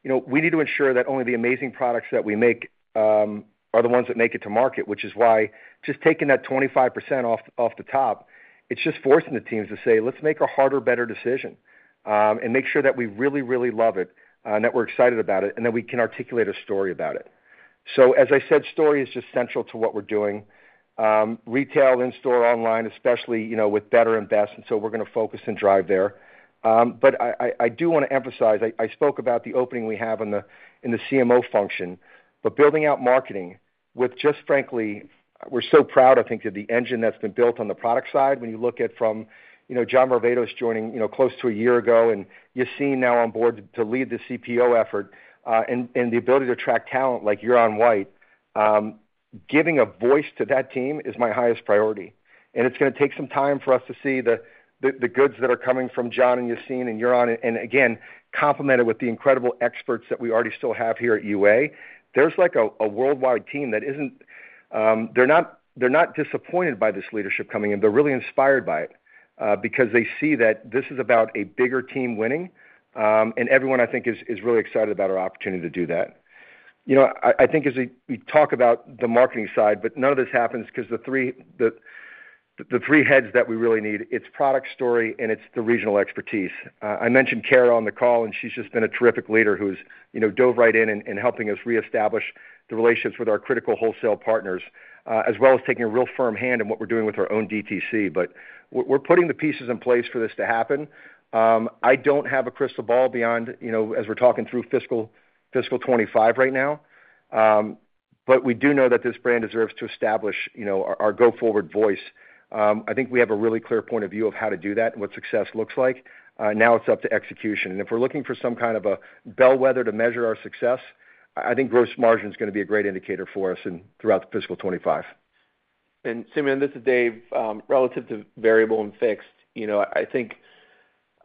You know, we need to ensure that only the amazing products that we make, are the ones that make it to market, which is why just taking that 25% off, off the top, it's just forcing the teams to say, "Let's make a harder, better decision, and make sure that we really, really love it, and that we're excited about it, and that we can articulate a story about it." So as I said, story is just central to what we're doing. Retail, in-store, online, especially, you know, with better and best, and so we're gonna focus and drive there. But I do wanna emphasize, I spoke about the opening we have in the CMO function, but building out marketing-... With just frankly, we're so proud, I think, of the engine that's been built on the product side. When you look at from, you know, John Varvatos joining, you know, close to a year ago, and Yassine now on board to lead the CPO effort, and the ability to attract talent like Yaron White, giving a voice to that team is my highest priority, and it's gonna take some time for us to see the goods that are coming from John and Yassine and Yaron, and again, complemented with the incredible experts that we already still have here at UA. There's like a worldwide team that isn't... They're not disappointed by this leadership coming in. They're really inspired by it, because they see that this is about a bigger team winning, and everyone, I think, is really excited about our opportunity to do that. You know, I think as we talk about the marketing side, but none of this happens 'cause the three heads that we really need, it's product story, and it's the regional expertise. I mentioned Kara on the call, and she's just been a terrific leader who's, you know, dove right in helping us reestablish the relationships with our critical wholesale partners, as well as taking a real firm hand in what we're doing with our own DTC. But we're putting the pieces in place for this to happen. I don't have a crystal ball beyond, you know, as we're talking through fiscal 2025 right now, but we do know that this brand deserves to establish, you know, our go-forward voice. I think we have a really clear point of view of how to do that and what success looks like. Now it's up to execution, and if we're looking for some kind of a bellwether to measure our success, I think gross margin is gonna be a great indicator for us throughout fiscal 2025. Simeon, this is Dave. Relative to variable and fixed, you know, I think,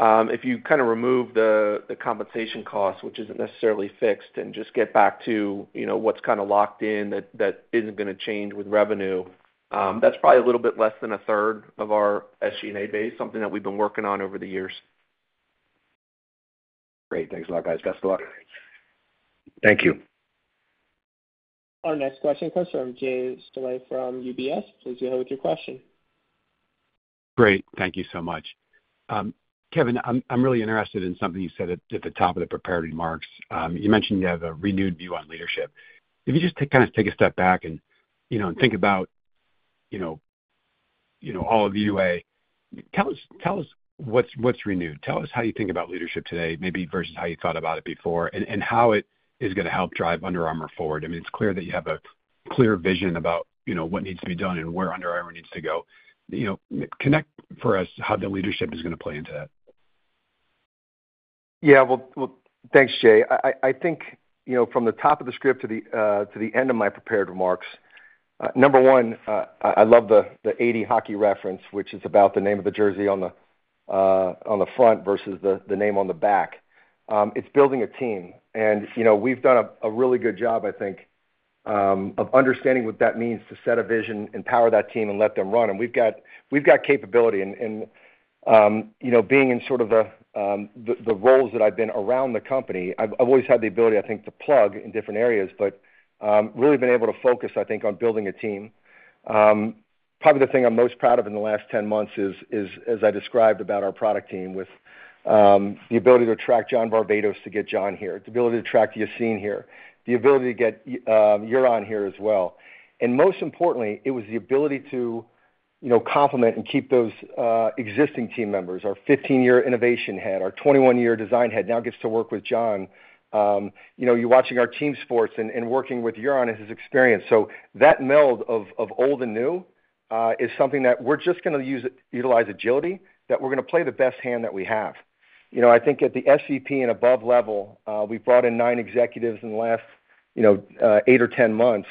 if you kind of remove the compensation cost, which isn't necessarily fixed, and just get back to, you know, what's kind of locked in, that isn't gonna change with revenue, that's probably a little bit less than a third of our SG&A base, something that we've been working on over the years. Great. Thanks a lot, guys. Best of luck. Thank you. Our next question comes from Jay Sole from UBS. Please go ahead with your question. Great. Thank you so much. Kevin, I'm really interested in something you said at the top of the prepared remarks. You mentioned you have a renewed view on leadership. If you just kind of take a step back and, you know, think about, you know, you know, all of UA, tell us what's renewed. Tell us how you think about leadership today, maybe versus how you thought about it before, and how it is gonna help drive Under Armour forward. I mean, it's clear that you have a clear vision about, you know, what needs to be done and where Under Armour needs to go. You know, connect for us how the leadership is gonna play into that. Yeah. Well, thanks, Jay. I think, you know, from the top of the script to the end of my prepared remarks, number one, I love the '80 hockey reference, which is about the name of the jersey on the front versus the name on the back. It's building a team, and, you know, we've done a really good job, I think, of understanding what that means, to set a vision, empower that team, and let them run, and we've got capability. And, you know, being in sort of the roles that I've been around the company, I've always had the ability, I think, to plug in different areas, but really been able to focus, I think, on building a team. Probably the thing I'm most proud of in the last 10 months is, as I described about our product team, with the ability to attract John Varvatos, to get John here, the ability to attract Yassine here, the ability to get Yaron here as well. Most importantly, it was the ability to, you know, complement and keep those existing team members. Our 15-year innovation head, our 21-year design head now gets to work with John. You know, you're watching our team sports and working with Yaron and his experience. So that meld of old and new is something that we're just gonna use, utilize agility, that we're gonna play the best hand that we have. You know, I think at the SVP and above level, we've brought in 9 executives in the last, you know, 8 or 10 months,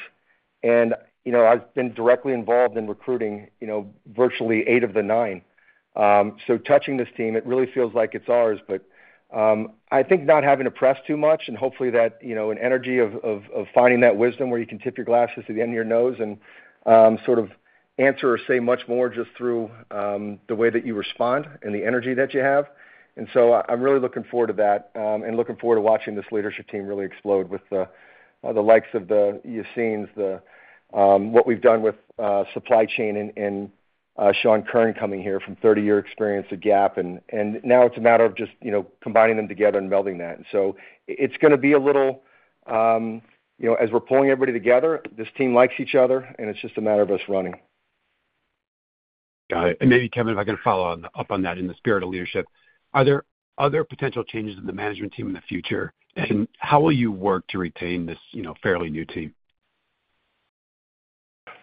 and, you know, I've been directly involved in recruiting, you know, virtually 8 of the 9. So touching this team, it really feels like it's ours, but, I think not having to press too much and hopefully that, you know, an energy of finding that wisdom where you can tip your glasses to the end of your nose and sort of answer or say much more just through the way that you respond and the energy that you have. And so I'm really looking forward to that, and looking forward to watching this leadership team really explode with the likes of the Yassines, the... What we've done with supply chain and Sean Curran coming here from 30-year experience at Gap, and now it's a matter of just, you know, combining them together and melding that. So it's gonna be a little, you know, as we're pulling everybody together, this team likes each other, and it's just a matter of us running. Got it. Maybe, Kevin, if I can follow on... up on that, in the spirit of leadership, are there other potential changes in the management team in the future? And how will you work to retain this, you know, fairly new team?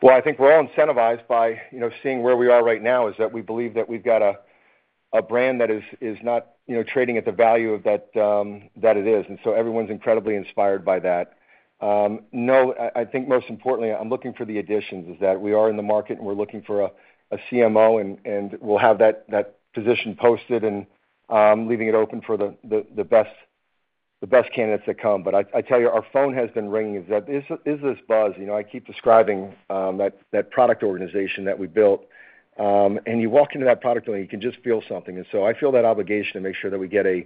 Well, I think we're all incentivized by, you know, seeing where we are right now, is that we believe that we've got a brand that is not, you know, trading at the value of that it is, and so everyone's incredibly inspired by that. No, I think most importantly, I'm looking for the additions, is that we are in the market, and we're looking for a CMO and we'll have that position posted and leaving it open for the best candidates that come. But I tell you, our phone has been ringing. Is that this buzz, you know? I keep describing that product organization that we built, and you walk into that product, and you can just feel something. And so I feel that obligation to make sure that we get a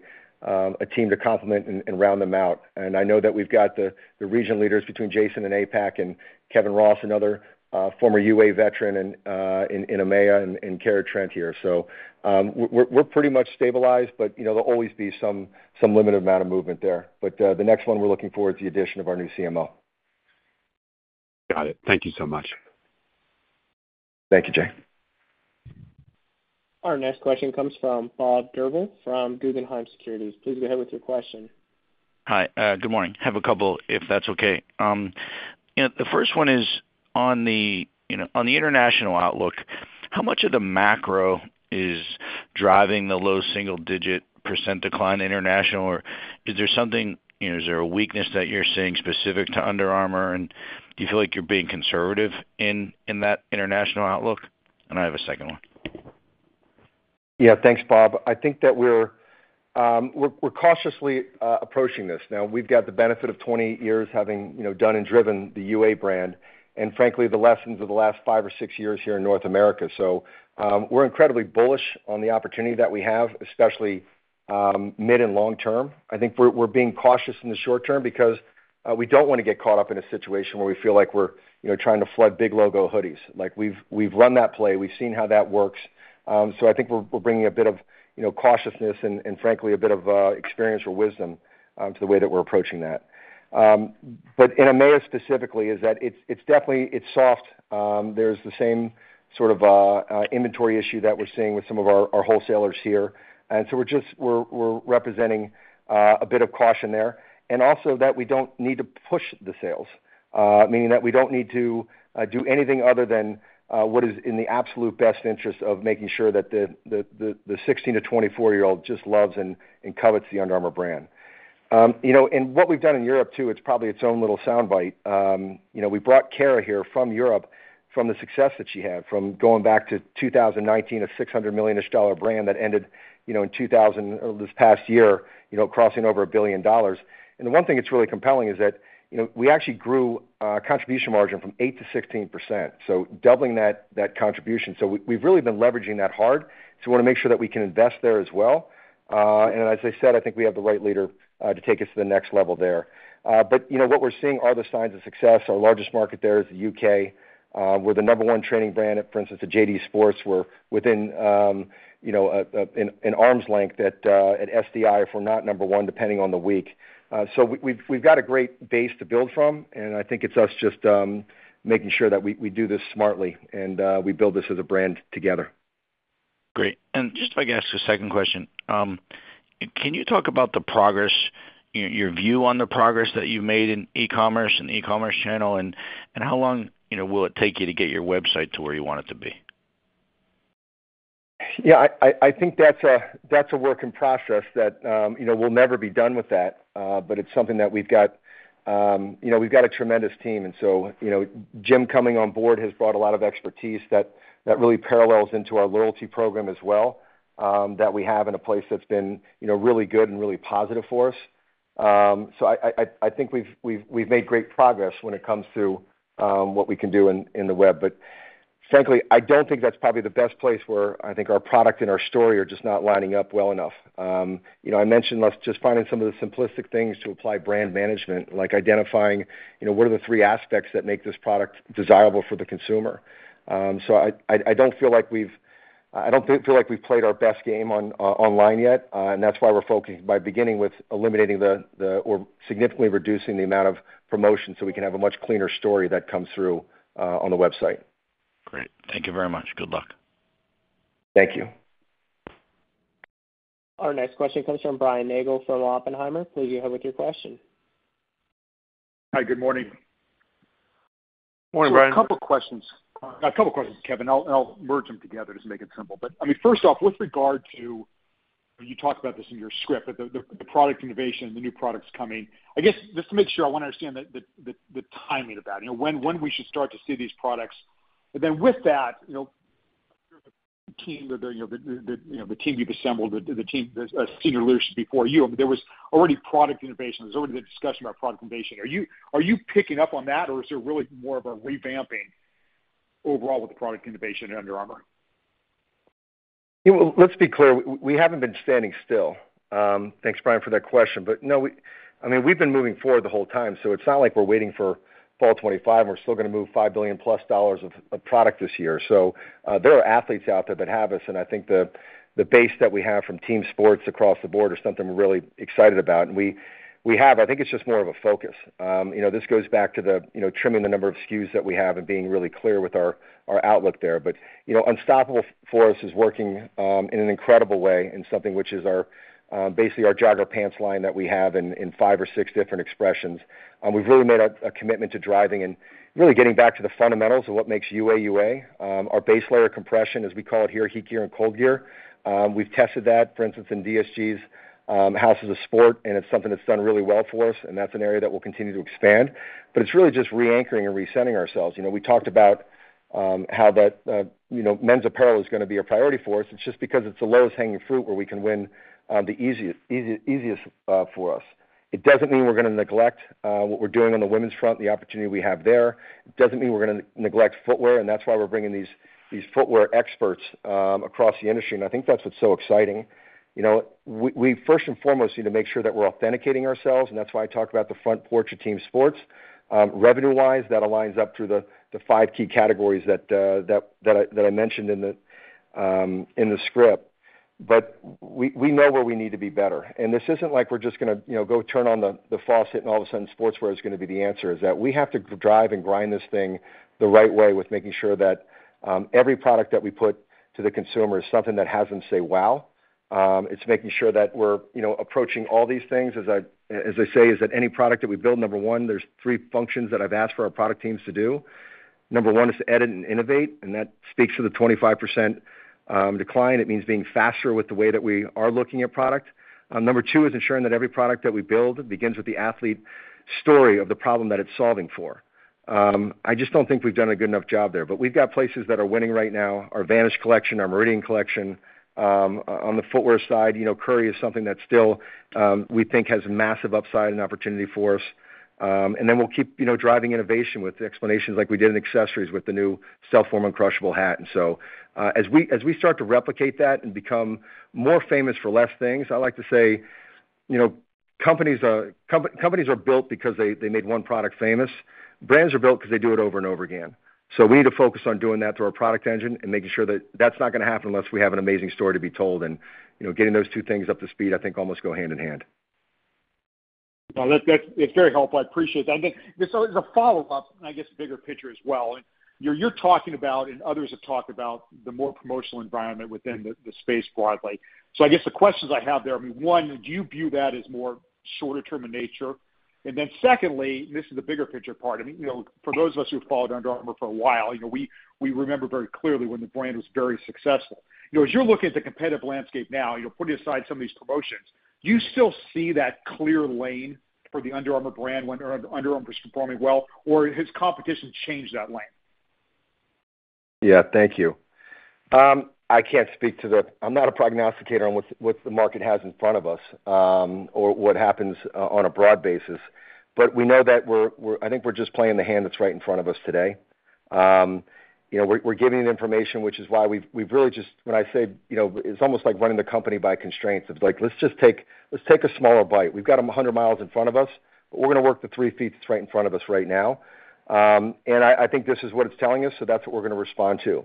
team to complement and round them out. And I know that we've got the region leaders between Jason in APAC and Kevin Ross, another former UA veteran in EMEA, and Kara Trent here. So, we're pretty much stabilized, but, you know, there'll always be some limited amount of movement there. But the next one we're looking for is the addition of our new CMO. Got it. Thank you so much. Thank you, Jay. Our next question comes from Bob Durbin from Guggenheim Securities. Please go ahead with your question. Hi, good morning. Have a couple, if that's okay. And the first one is on the, you know, on the international outlook, how much of the macro is driving the low single-digit % decline international? Or is there something—you know, is there a weakness that you're seeing specific to Under Armour, and do you feel like you're being conservative in, in that international outlook? And I have a second one. Yeah, thanks, Bob. I think that we're, we're cautiously approaching this. Now, we've got the benefit of 20 years having, you know, done and driven the UA brand, and frankly, the lessons of the last 5 or 6 years here in North America. So, we're incredibly bullish on the opportunity that we have, especially, mid and long term. I think we're, we're being cautious in the short term because, we don't wanna get caught up in a situation where we feel like we're, you know, trying to flood big logo hoodies. Like, we've, we've run that play, we've seen how that works. So I think we're, we're bringing a bit of, you know, cautiousness and, and frankly, a bit of, experiential wisdom, to the way that we're approaching that. But in EMEA, specifically, is that it's, it's definitely it's soft. There's the same sort of inventory issue that we're seeing with some of our wholesalers here, and so we're just representing a bit of caution there. Also, that we don't need to push the sales, meaning that we don't need to do anything other than what is in the absolute best interest of making sure that the 16-24-year-old just loves and covets the Under Armour brand. You know, and what we've done in Europe, too, it's probably its own little soundbite. You know, we brought Kara here from Europe, from the success that she had, from going back to 2019, a $600 million-ish brand that ended, you know, in 2023—this past year, you know, crossing over $1 billion. And the one thing that's really compelling is that, you know, we actually grew contribution margin from 8%-16%, so doubling that, that contribution. So we've really been leveraging that hard, so we wanna make sure that we can invest there as well. And as I said, I think we have the right leader to take us to the next level there. But, you know, what we're seeing are the signs of success. Our largest market there is the U.K., we're the number one training brand. At, for instance, at JD Sports, we're within, you know, an arm's length at, at SDI, if we're not number one, depending on the week. So we've got a great base to build from, and I think it's us just making sure that we do this smartly, and we build this as a brand together. Great. And just if I could ask a second question. Can you talk about the progress, your, your view on the progress that you've made in e-commerce and the e-commerce channel? And, and how long, you know, will it take you to get your website to where you want it to be? Yeah, I think that's a work in process that, you know, we'll never be done with that, but it's something that we've got. You know, we've got a tremendous team, and so, you know, Jim coming on board has brought a lot of expertise that really parallels into our loyalty program as well, that we have in place that's been, you know, really good and really positive for us. So I think we've made great progress when it comes to what we can do in the web. But frankly, I don't think that's probably the best place where I think our product and our story are just not lining up well enough. You know, I mentioned us just finding some of the simplistic things to apply brand management, like identifying, you know, what are the three aspects that make this product desirable for the consumer? So I don't feel like we've played our best game on online yet, and that's why we're focusing by beginning with eliminating or significantly reducing the amount of promotion, so we can have a much cleaner story that comes through on the website. Great. Thank you very much. Good luck. Thank you. Our next question comes from Brian Nagel from Oppenheimer. Please go ahead with your question. Hi, good morning. Morning, Brian. So a couple of questions, Kevin. I'll merge them together just to make it simple. But, I mean, first off, with regard to, you talked about this in your script, but the product innovation, the new products coming. I guess, just to make sure I want to understand the timing of that, you know, when we should start to see these products? And then with that, you know, the team or the team you've assembled, the team, senior leadership before you, there was already product innovation. There's already the discussion about product innovation. Are you picking up on that, or is there really more of a revamping overall with the product innovation at Under Armour? Yeah, well, let's be clear, we haven't been standing still. Thanks, Brian, for that question. But no, I mean, we've been moving forward the whole time, so it's not like we're waiting for fall 2025. We're still gonna move $5 billion plus of product this year. So, there are athletes out there that have us, and I think the base that we have from team sports across the board is something we're really excited about. I think it's just more of a focus. You know, this goes back to trimming the number of SKUs that we have and being really clear with our outlook there. But, you know, Unstoppable Force is working in an incredible way and something which is our basically our jogger pants line that we have in five or six different expressions. We've really made a commitment to driving and really getting back to the fundamentals of what makes UA, UA. Our base layer compression, as we call it here, HeatGear and ColdGear, we've tested that, for instance, in DSG's House of Sport, and it's something that's done really well for us, and that's an area that we'll continue to expand. But it's really just reanchoring and resetting ourselves. You know, we talked about how that, you know, men's apparel is gonna be a priority for us. It's just because it's the lowest hanging fruit where we can win the easiest for us. It doesn't mean we're gonna neglect what we're doing on the women's front, the opportunity we have there. It doesn't mean we're gonna neglect footwear, and that's why we're bringing these footwear experts across the industry, and I think that's what's so exciting. You know, we first and foremost need to make sure that we're authenticating ourselves, and that's why I talk about the front porch of Team Sports. Revenue-wise, that aligns up to the five key categories that I mentioned in the script. But we know where we need to be better. And this isn't like we're just gonna, you know, go turn on the faucet, and all of a sudden, sportswear is gonna be the answer. Is that we have to drive and grind this thing the right way with making sure that every product that we put to the consumer is something that has them say, "Wow!" It's making sure that we're, you know, approaching all these things, as I, as I say, is that any product that we build, number 1, there's 3 functions that I've asked for our product teams to do. Number 1 is to edit and innovate, and that speaks to the 25% decline. It means being faster with the way that we are looking at product. Number 2 is ensuring that every product that we build begins with the athlete story of the problem that it's solving for. I just don't think we've done a good enough job there. But we've got places that are winning right now, our Vanish collection, our Meridian collection. On the footwear side, you know, Curry is something that still we think has massive upside and opportunity for us. And then we'll keep, you know, driving innovation with innovations like we did in accessories with the new Stealthform Uncrushable hat. And so, as we start to replicate that and become more famous for less things, I like to say, you know, companies are built because they made one product famous. Brands are built because they do it over and over again. So we need to focus on doing that through our product engine and making sure that that's not gonna happen unless we have an amazing story to be told. And, you know, getting those two things up to speed, I think almost go hand in hand. Well, that's very helpful. I appreciate that. And then as a follow-up, I guess the bigger picture as well, and you're talking about, and others have talked about, the more promotional environment within the space broadly. So I guess the questions I have there, I mean, one, do you view that as more shorter term in nature? And then secondly, this is the bigger picture part. I mean, you know, for those of us who've followed Under Armour for a while, you know, we remember very clearly when the brand was very successful. You know, as you're looking at the competitive landscape now, you're putting aside some of these promotions, do you still see that clear lane for the Under Armour brand when Under Armour is performing well, or has competition changed that lane? Yeah, thank you. I can't speak to the... I'm not a prognosticator on what's, what the market has in front of us, or what happens on a broad basis. But we know that we're-- I think we're just playing the hand that's right in front of us today. You know, we're giving the information, which is why we've really just... When I say, you know, it's almost like running the company by constraints. It's like, let's take a smaller bite. We've got 100 miles in front of us, but we're gonna work the 3 feet that's right in front of us right now. And I think this is what it's telling us, so that's what we're gonna respond to.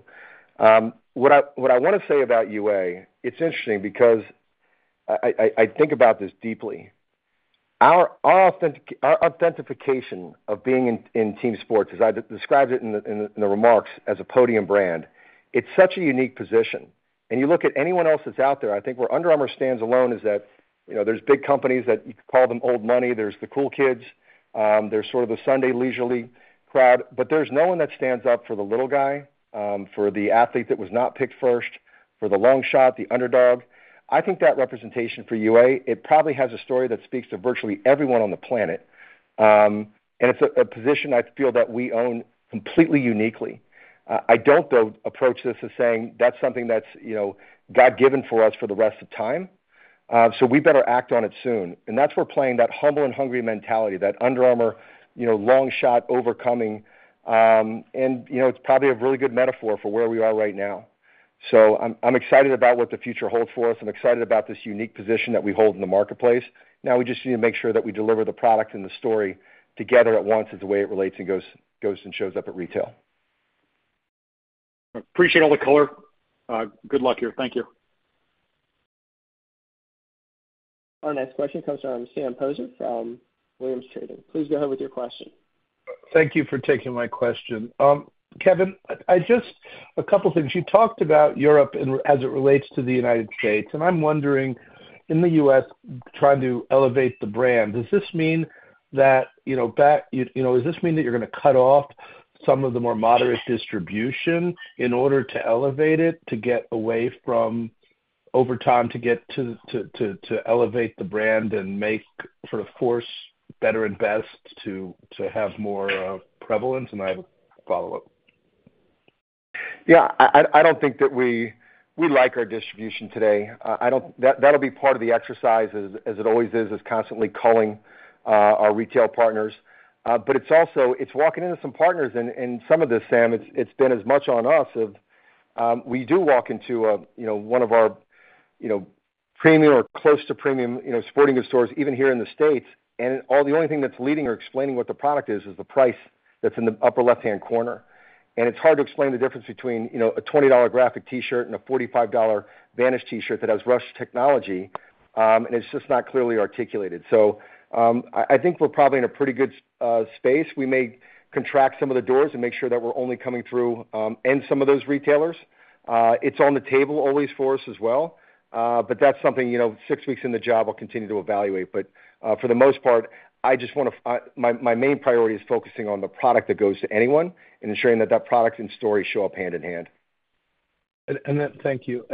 What I wanna say about UA, it's interesting because I think about this deeply. Our authentication of being in team sports, as I described it in the remarks, as a podium brand, it's such a unique position. And you look at anyone else that's out there, I think where Under Armour stands alone is that, you know, there's big companies that you could call them old money, there's the cool kids, there's sort of the Sunday leisurely crowd, but there's no one that stands up for the little guy, for the athlete that was not picked first, for the long shot, the underdog. I think that representation for UA, it probably has a story that speaks to virtually everyone on the planet. And it's a position I feel that we own completely, uniquely. I don't, though, approach this as saying that's something that's, you know, God-given for us for the rest of time, so we better act on it soon. That's where playing that humble and hungry mentality, that Under Armour, you know, long shot overcoming, and you know, it's probably a really good metaphor for where we are right now. I'm excited about what the future holds for us. I'm excited about this unique position that we hold in the marketplace. Now we just need to make sure that we deliver the product and the story together at once, as the way it relates and goes and shows up at retail. Appreciate all the color. Good luck here. Thank you. Our next question comes from Sam Poser from Williams Trading. Please go ahead with your question. Thank you for taking my question. Kevin, I just a couple things. You talked about Europe and, as it relates to the United States, and I'm wondering, in the U.S., trying to elevate the brand, does this mean that, you know, you know, does this mean that you're gonna cut off some of the more moderate distribution in order to elevate it, to get away from over time, to get to elevate the brand and make, sort of force better and best to have more prevalence? And I have a follow-up. Yeah, I don't think that we like our distribution today. That'll be part of the exercise as it always is, constantly culling our retail partners. But it's also walking into some partners, and some of this, Sam, it's been as much on us as we do walk into a, you know, one of our, you know, premium or close to premium, you know, sporting goods stores, even here in the States, and the only thing that's leading or explaining what the product is is the price that's in the upper left-hand corner. And it's hard to explain the difference between, you know, a $20 graphic T-shirt and a $45 Vanish T-shirt that has rush technology, and it's just not clearly articulated. So, I think we're probably in a pretty good space. We may contract some of the doors and make sure that we're only coming through in some of those retailers. It's on the table always for us as well, but that's something, you know, six weeks in the job, I'll continue to evaluate. But, for the most part, I just wanna, my main priority is focusing on the product that goes to anyone and ensuring that that product and story show up hand in hand. Thank you.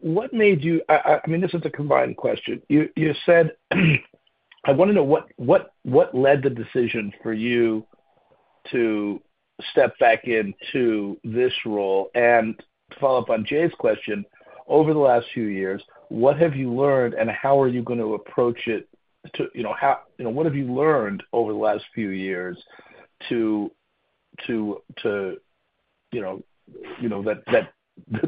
What made you... I mean, this is a combined question. You said, I wanna know what led the decision for you to step back into this role? And to follow up on Jay's question, over the last few years, what have you learned, and how are you going to approach it, you know? What have you learned over the last few years, you know,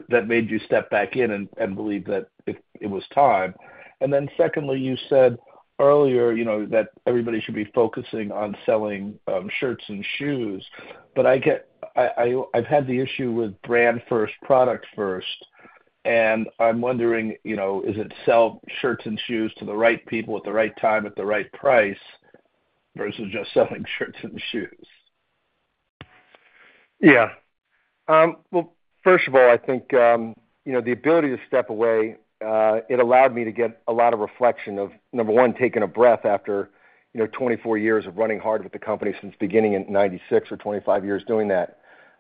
that made you step back in and believe that it was time? And then secondly, you said earlier, you know, that everybody should be focusing on selling shirts and shoes. But I've had the issue with brand first, product first... I'm wondering, you know, is it sell shirts and shoes to the right people at the right time, at the right price, versus just selling shirts and shoes? Yeah. Well, first of all, I think, you know, the ability to step away, it allowed me to get a lot of reflection of, number one, taking a breath after, you know, 24 years of running hard with the company since beginning in 1996, or 25 years doing that.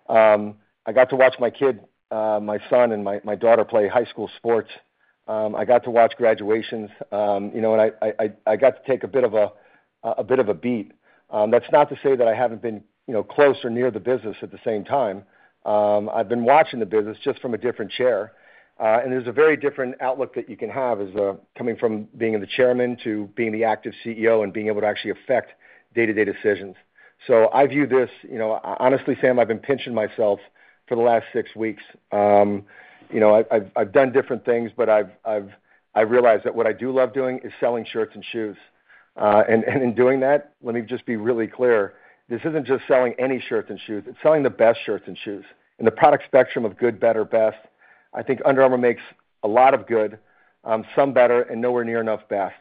I got to watch my kid, my son and my daughter play high school sports. I got to watch graduations, you know, and I got to take a bit of a beat. That's not to say that I haven't been, you know, close or near the business at the same time. I've been watching the business just from a different chair, and there's a very different outlook that you can have as coming from being the chairman to being the active CEO and being able to actually affect day-to-day decisions. So I view this, you know, honestly, Sam, I've been pinching myself for the last six weeks. You know, I've done different things, but I've realized that what I do love doing is selling shirts and shoes. And in doing that, let me just be really clear, this isn't just selling any shirts and shoes, it's selling the best shirts and shoes. In the product spectrum of good, better, best, I think Under Armour makes a lot of good, some better, and nowhere near enough best.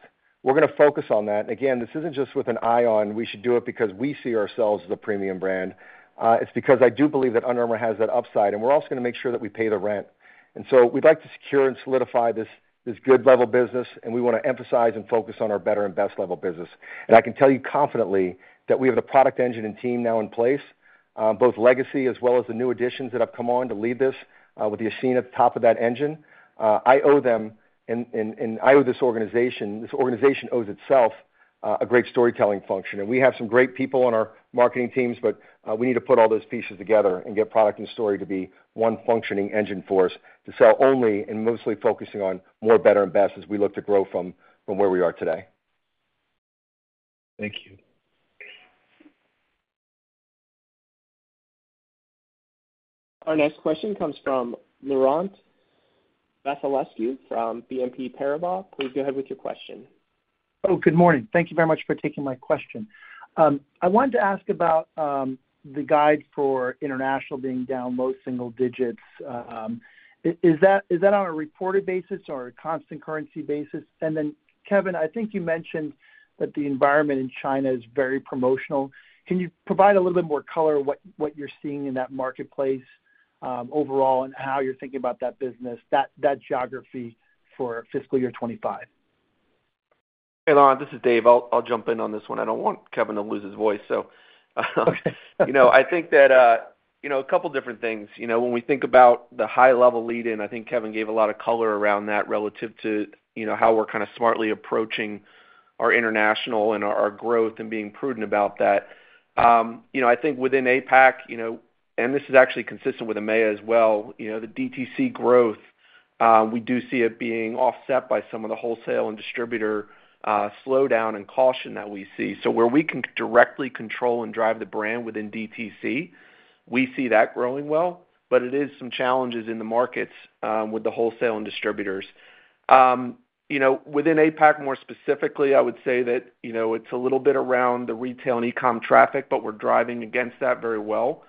We're gonna focus on that. Again, this isn't just with an eye on, we should do it because we see ourselves as a premium brand. It's because I do believe that Under Armour has that upside, and we're also gonna make sure that we pay the rent. And so we'd like to secure and solidify this, this good level business, and we wanna emphasize and focus on our better and best level business. And I can tell you confidently that we have the product engine and team now in place, both legacy as well as the new additions that have come on to lead this, with Yassine at the top of that engine. I owe them, and I owe this organization, this organization owes itself a great storytelling function. We have some great people on our marketing teams, but we need to put all those pieces together and get product and story to be one functioning engine force, to sell only and mostly focusing on more better and best as we look to grow from where we are today. Thank you. Our next question comes from Laurent Vasilescu, from BNP Paribas. Please go ahead with your question. Oh, good morning. Thank you very much for taking my question. I wanted to ask about the guide for international being down low single digits. Is that on a reported basis or a constant currency basis? And then, Kevin, I think you mentioned that the environment in China is very promotional. Can you provide a little bit more color on what you're seeing in that marketplace overall, and how you're thinking about that business, that geography for fiscal year 2025? Hey, Laurent, this is Dave. I'll jump in on this one. I don't want Kevin to lose his voice, so, you know, I think that, you know, a couple different things. You know, when we think about the high level lead-in, I think Kevin gave a lot of color around that relative to, you know, how we're kinda smartly approaching our international and our growth and being prudent about that. You know, I think within APAC, you know, and this is actually consistent with EMEA as well, you know, the DTC growth, we do see it being offset by some of the wholesale and distributor slowdown and caution that we see. So where we can directly control and drive the brand within DTC, we see that growing well, but it is some challenges in the markets, with the wholesale and distributors. You know, within APAC, more specifically, I would say that, you know, it's a little bit around the retail and e-com traffic, but we're driving against that very well.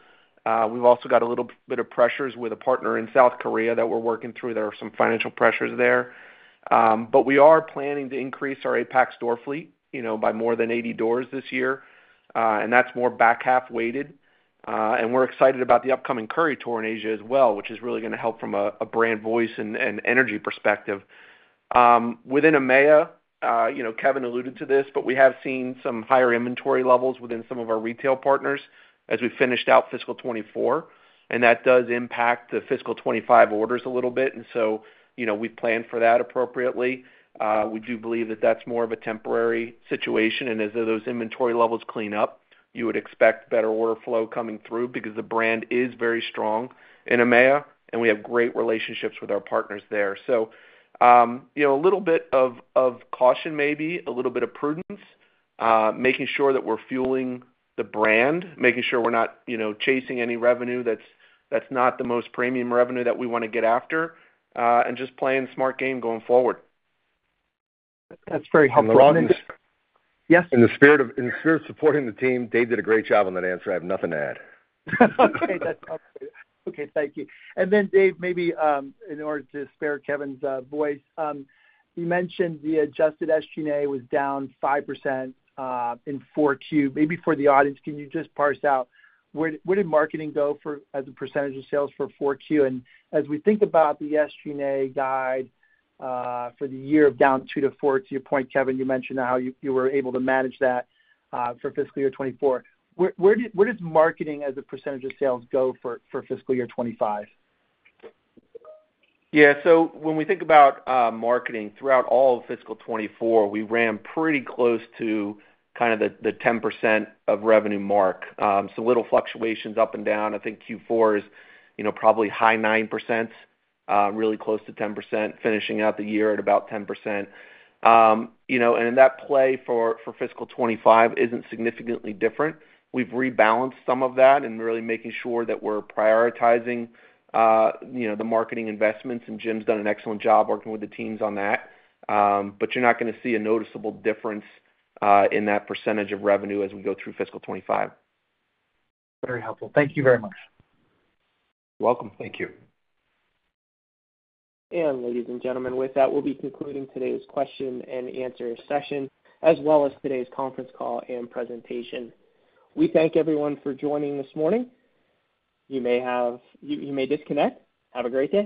We've also got a little bit of pressures with a partner in South Korea that we're working through. There are some financial pressures there, but we are planning to increase our APAC store fleet, you know, by more than 80 doors this year, and that's more back half weighted. And we're excited about the upcoming Curry Tour in Asia as well, which is really gonna help from a, a brand voice and, and energy perspective. Within EMEA, you know, Kevin alluded to this, but we have seen some higher inventory levels within some of our retail partners as we finished out fiscal 2024, and that does impact the fiscal 2025 orders a little bit, and so, you know, we've planned for that appropriately. We do believe that that's more of a temporary situation, and as those inventory levels clean up, you would expect better order flow coming through because the brand is very strong in EMEA, and we have great relationships with our partners there. So, you know, a little bit of caution, maybe a little bit of prudence, making sure that we're fueling the brand, making sure we're not, you know, chasing any revenue that's not the most premium revenue that we wanna get after, and just playing a smart game going forward. That's very helpful, and yes? In the spirit of supporting the team, Dave did a great job on that answer. I have nothing to add. Okay. Thank you. And then, Dave, maybe, in order to spare Kevin's voice, you mentioned the adjusted SG&A was down 5% in Q4. Maybe for the audience, can you just parse out where did marketing go for as a percentage of sales for Q4? And as we think about the SG&A guide for the year of down 2%-4%, to your point, Kevin, you mentioned how you were able to manage that for fiscal year 2024. Where does marketing as a percentage of sales go for fiscal year 2025? Yeah. So when we think about marketing throughout all of fiscal 2024, we ran pretty close to kind of the 10% of revenue mark. So little fluctuations up and down. I think Q4 is, you know, probably high 9%, really close to 10%, finishing out the year at about 10%. You know, and in that play for fiscal 2025 isn't significantly different. We've rebalanced some of that and really making sure that we're prioritizing, you know, the marketing investments, and Jim's done an excellent job working with the teams on that. But you're not gonna see a noticeable difference in that percentage of revenue as we go through fiscal 2025. Very helpful. Thank you very much. You're welcome. Thank you. Ladies and gentlemen, with that, we'll be concluding today's question and answer session, as well as today's conference call and presentation. We thank everyone for joining this morning. You may disconnect. Have a great day.